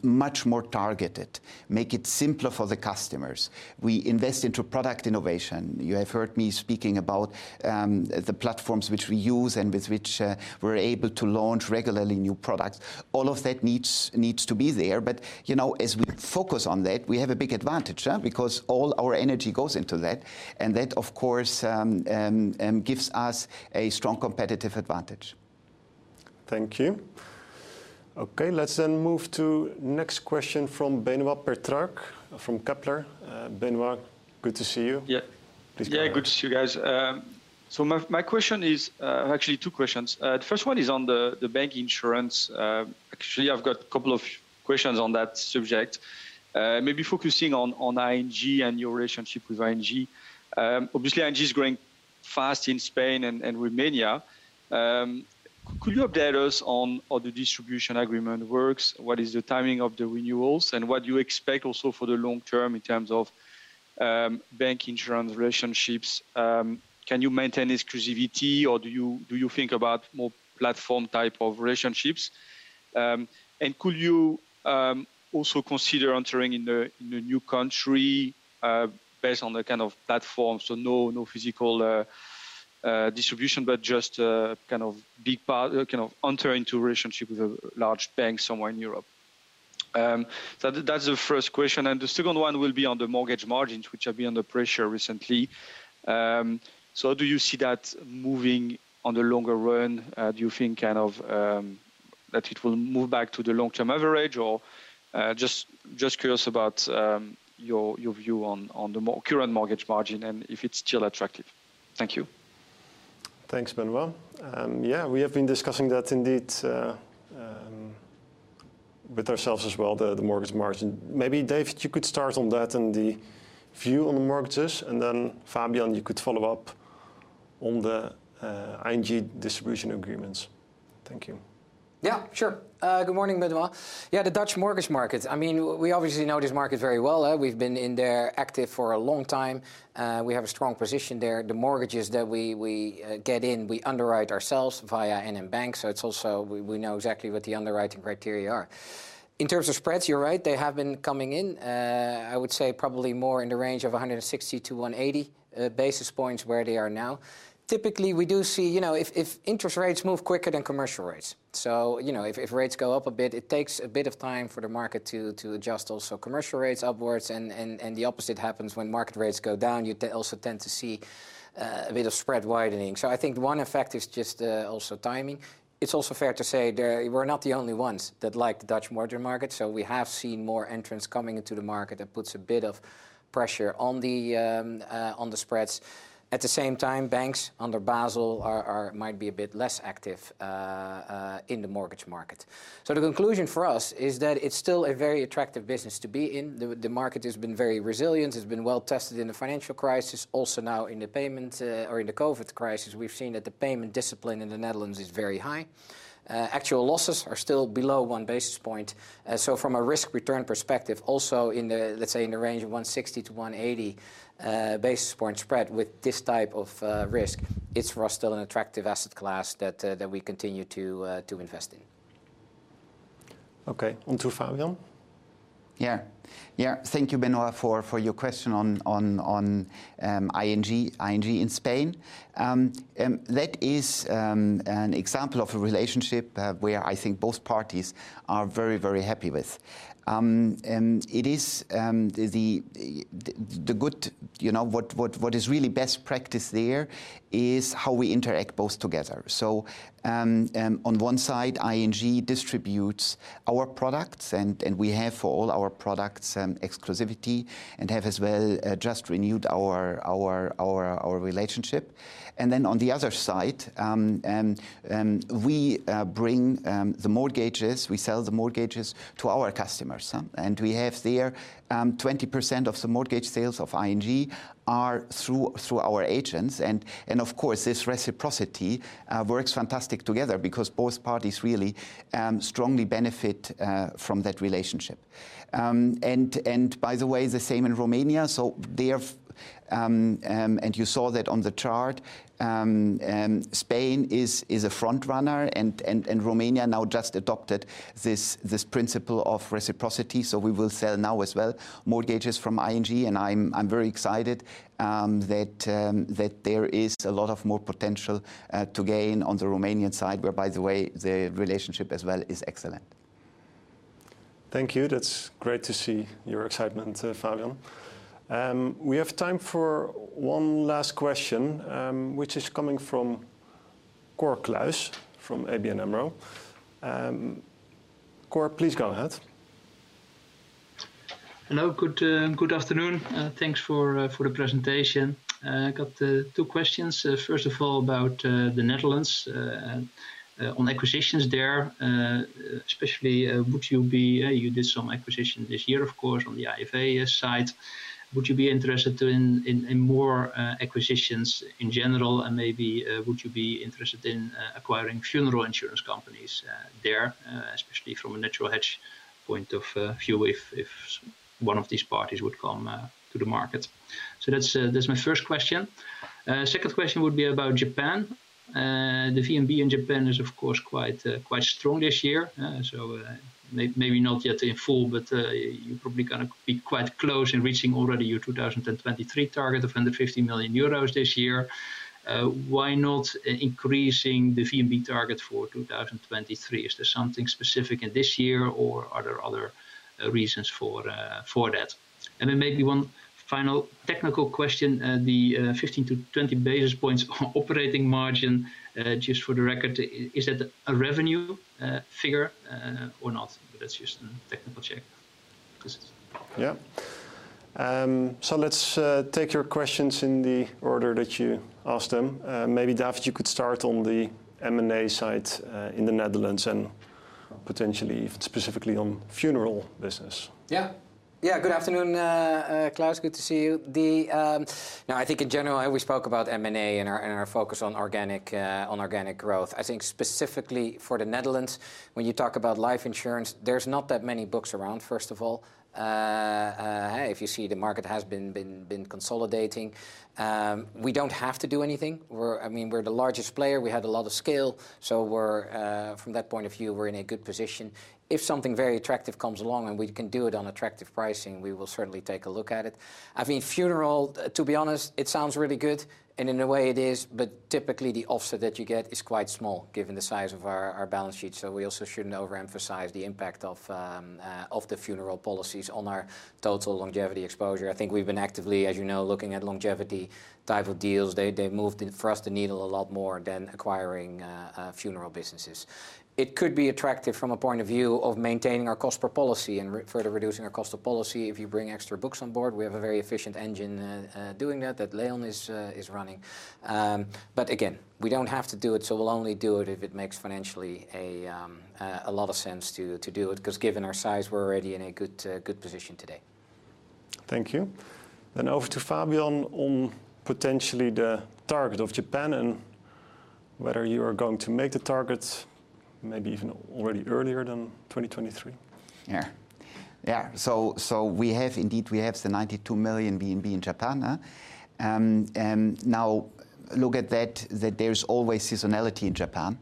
much more targeted, make it simpler for the customers. We invest into product innovation. You have heard me speaking about the platforms which we use and with which we're able to launch regularly new products. All of that needs to be there. You know, as we focus on that, we have a big advantage, yeah, because all our energy goes into that. That, of course, gives us a strong competitive advantage. Thank you. Okay. Let's move to next question from Benoit Petrarque from Kepler. Benoit, good to see you. Yeah. Please go ahead. Yeah, good to see you guys. My question is actually two questions. The first one is on the bank insurance. Actually, I've got a couple of questions on that subject. Maybe focusing on ING and your relationship with ING. Obviously ING is growing fast in Spain and Romania. Could you update us on how the distribution agreement works? What is the timing of the renewals, and what do you expect also for the long term in terms of bank insurance relationships? Can you maintain exclusivity or do you think about more platform type of relationships? Could you also consider entering a new country based on the kind of platform, so no physical distribution, but just a kind of partnership, you know, enter into relationship with a large bank somewhere in Europe? That’s the first question. The second one will be on the mortgage margins, which have been under pressure recently. Do you see that moving in the long run? Do you think kind of that it will move back to the long-term average or just curious about your view on the current mortgage margin and if it’s still attractive. Thank you. Thanks, Benoit. Yeah, we have been discussing that indeed with ourselves as well, the mortgage margin. Maybe David, you could start on that and the view on the mortgages, and then Fabian, you could follow up on the ING distribution agreements. Thank you. Yeah, sure. Good morning, Benoit. Yeah, the Dutch mortgage markets, I mean, we obviously know this market very well. We've been active there for a long time. We have a strong position there. The mortgages that we get in, we underwrite ourselves via NN Bank, so we know exactly what the underwriting criteria are. In terms of spreads, you're right, they have been coming in. I would say probably more in the range of 160-180 basis points where they are now. Typically, we do see, you know, if interest rates move quicker than commercial rates. You know, if rates go up a bit, it takes a bit of time for the market to adjust also commercial rates upwards and the opposite happens when market rates go down. Also tend to see a bit of spread widening. I think one effect is just also timing. It's also fair to say there, we're not the only ones that like the Dutch mortgage market, so we have seen more entrants coming into the market. That puts a bit of pressure on the spreads. At the same time, banks under Basel might be a bit less active in the mortgage market. The conclusion for us is that it's still a very attractive business to be in. The market has been very resilient. It's been well tested in the financial crisis. Also now in the pandemic or in the COVID crisis, we've seen that the payment discipline in the Netherlands is very high. Actual losses are still below one basis point. From a risk return perspective, also in the, let's say, in the range of 160-180 basis point spread with this type of risk, it's for us still an attractive asset class that we continue to invest in. Okay. On to Fabian. Thank you, Benoit, for your question on ING in Spain. That is an example of a relationship where I think both parties are very happy with. It is the good, you know, what is really best practice there is how we interact both together. On one side, ING distributes our products and we have for all our products exclusivity and have as well just renewed our relationship. On the other side we bring the mortgages, we sell the mortgages to our customers. We have there 20% of the mortgage sales of ING are through our agents. Of course this reciprocity works fantastic together because both parties really strongly benefit from that relationship. By the way, the same in Romania. They have and you saw that on the chart Spain is a front runner and Romania now just adopted this principle of reciprocity, so we will sell now as well mortgages from ING and I'm very excited that there is a lot of more potential to gain on the Romanian side, where by the way, the relationship as well is excellent. Thank you. That's great to see your excitement, Fabian. We have time for one last question, which is coming from Cor Kluis from ABN AMRO. Cor, please go ahead. Hello. Good afternoon. Thanks for the presentation. I got two questions. First of all about the Netherlands on acquisitions there. Especially, you did some acquisition this year, of course, on the IFA side. Would you be interested in more acquisitions in general and maybe would you be interested in acquiring funeral insurance companies there, especially from a natural hedge point of view if one of these parties would come to the market? So that's my first question. Second question would be about Japan. The VNB in Japan is of course quite strong this year. Maybe not yet in full, but you're probably gonna be quite close in reaching already your 2023 target of 150 million euros this year. Why not increasing the VNB target for 2023? Is there something specific in this year or are there other reasons for that? Maybe one final technical question. The 15-20 basis points on operating margin, just for the record, is that a revenue figure, or not? That's just a technical check. Let's take your questions in the order that you asked them. Maybe David, you could start on the M&A side in the Netherlands, and potentially if it's specifically on funeral business. Yeah. Good afternoon, Kluis. Good to see you. I think in general how we spoke about M&A and our focus on organic growth. I think specifically for the Netherlands, when you talk about life insurance, there's not that many books around, first of all. If you see the market has been consolidating. We don't have to do anything. I mean, we're the largest player. We have a lot of scale. From that point of view, we're in a good position. If something very attractive comes along and we can do it on attractive pricing, we will certainly take a look at it. I think funeral, to be honest, it sounds really good, and in a way it is, but typically the offset that you get is quite small given the size of our balance sheet. So we also shouldn't overemphasize the impact of the funeral policies on our total longevity exposure. I think we've been actively, as you know, looking at longevity type of deals. They move the needle a lot more than acquiring a funeral business. It could be attractive from a point of view of maintaining our cost per policy and further reducing our cost of policy if you bring extra books on board. We have a very efficient engine doing that that Leon is running. Again, we don't have to do it, so we'll only do it if it makes financially a lot of sense to do it, 'cause given our size, we're already in a good position today. Thank you. Over to Fabian on potentially the target of Japan and whether you are going to make the targets maybe even already earlier than 2023. We have, indeed, the 92 million VNB in Japan. Now look at that there's always seasonality in Japan.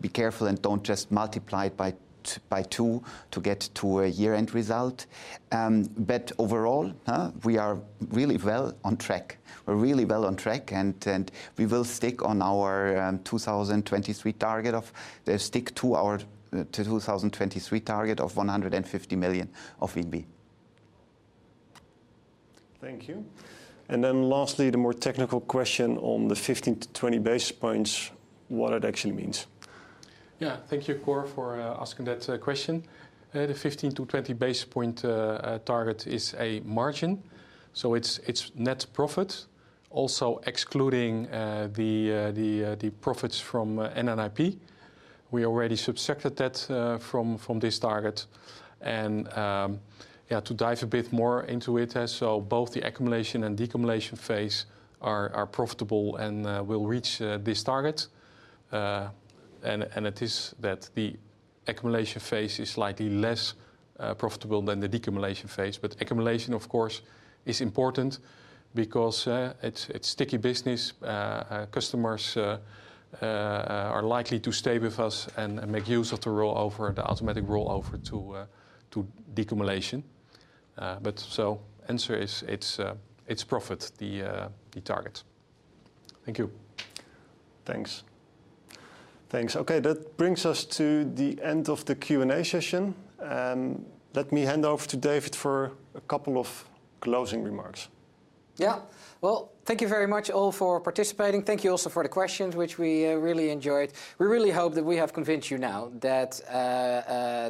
Be careful and don't just multiply it by two to get to a year-end result. Overall, we are really well on track, and we will stick to our 2023 target of 150 million of VNB. Thank you. Lastly, the more technical question on the 15-20 basis points, what it actually means? Yeah. Thank you, Cor, for asking that question. Yeah, the 15-20 basis points target is a margin, so it's net profit, also excluding the profits from NNIP. We already subtracted that from this target. Yeah, to dive a bit more into it. Both the accumulation and deaccumulation phase are profitable and will reach this target. It is that the accumulation phase is slightly less profitable than the deaccumulation phase. Accumulation, of course, is important because it's sticky business. Our customers are likely to stay with us and make use of the rollover, the automatic rollover to deaccumulation. The answer is it's profit, the target. Thank you. Thanks. Okay. That brings us to the end of the Q&A session. Let me hand off to David for a couple of closing remarks. Yeah. Well, thank you very much all for participating. Thank you also for the questions, which we really enjoyed. We really hope that we have convinced you now that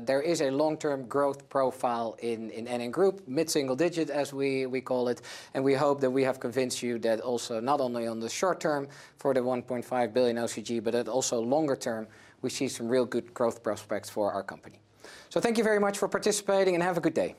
there is a long-term growth profile in NN Group, mid-single digit as we call it. We hope that we have convinced you that not only on the short term for the 1.5 billion OCG, but also longer term, we see some real good growth prospects for our company. Thank you very much for participating, and have a good day.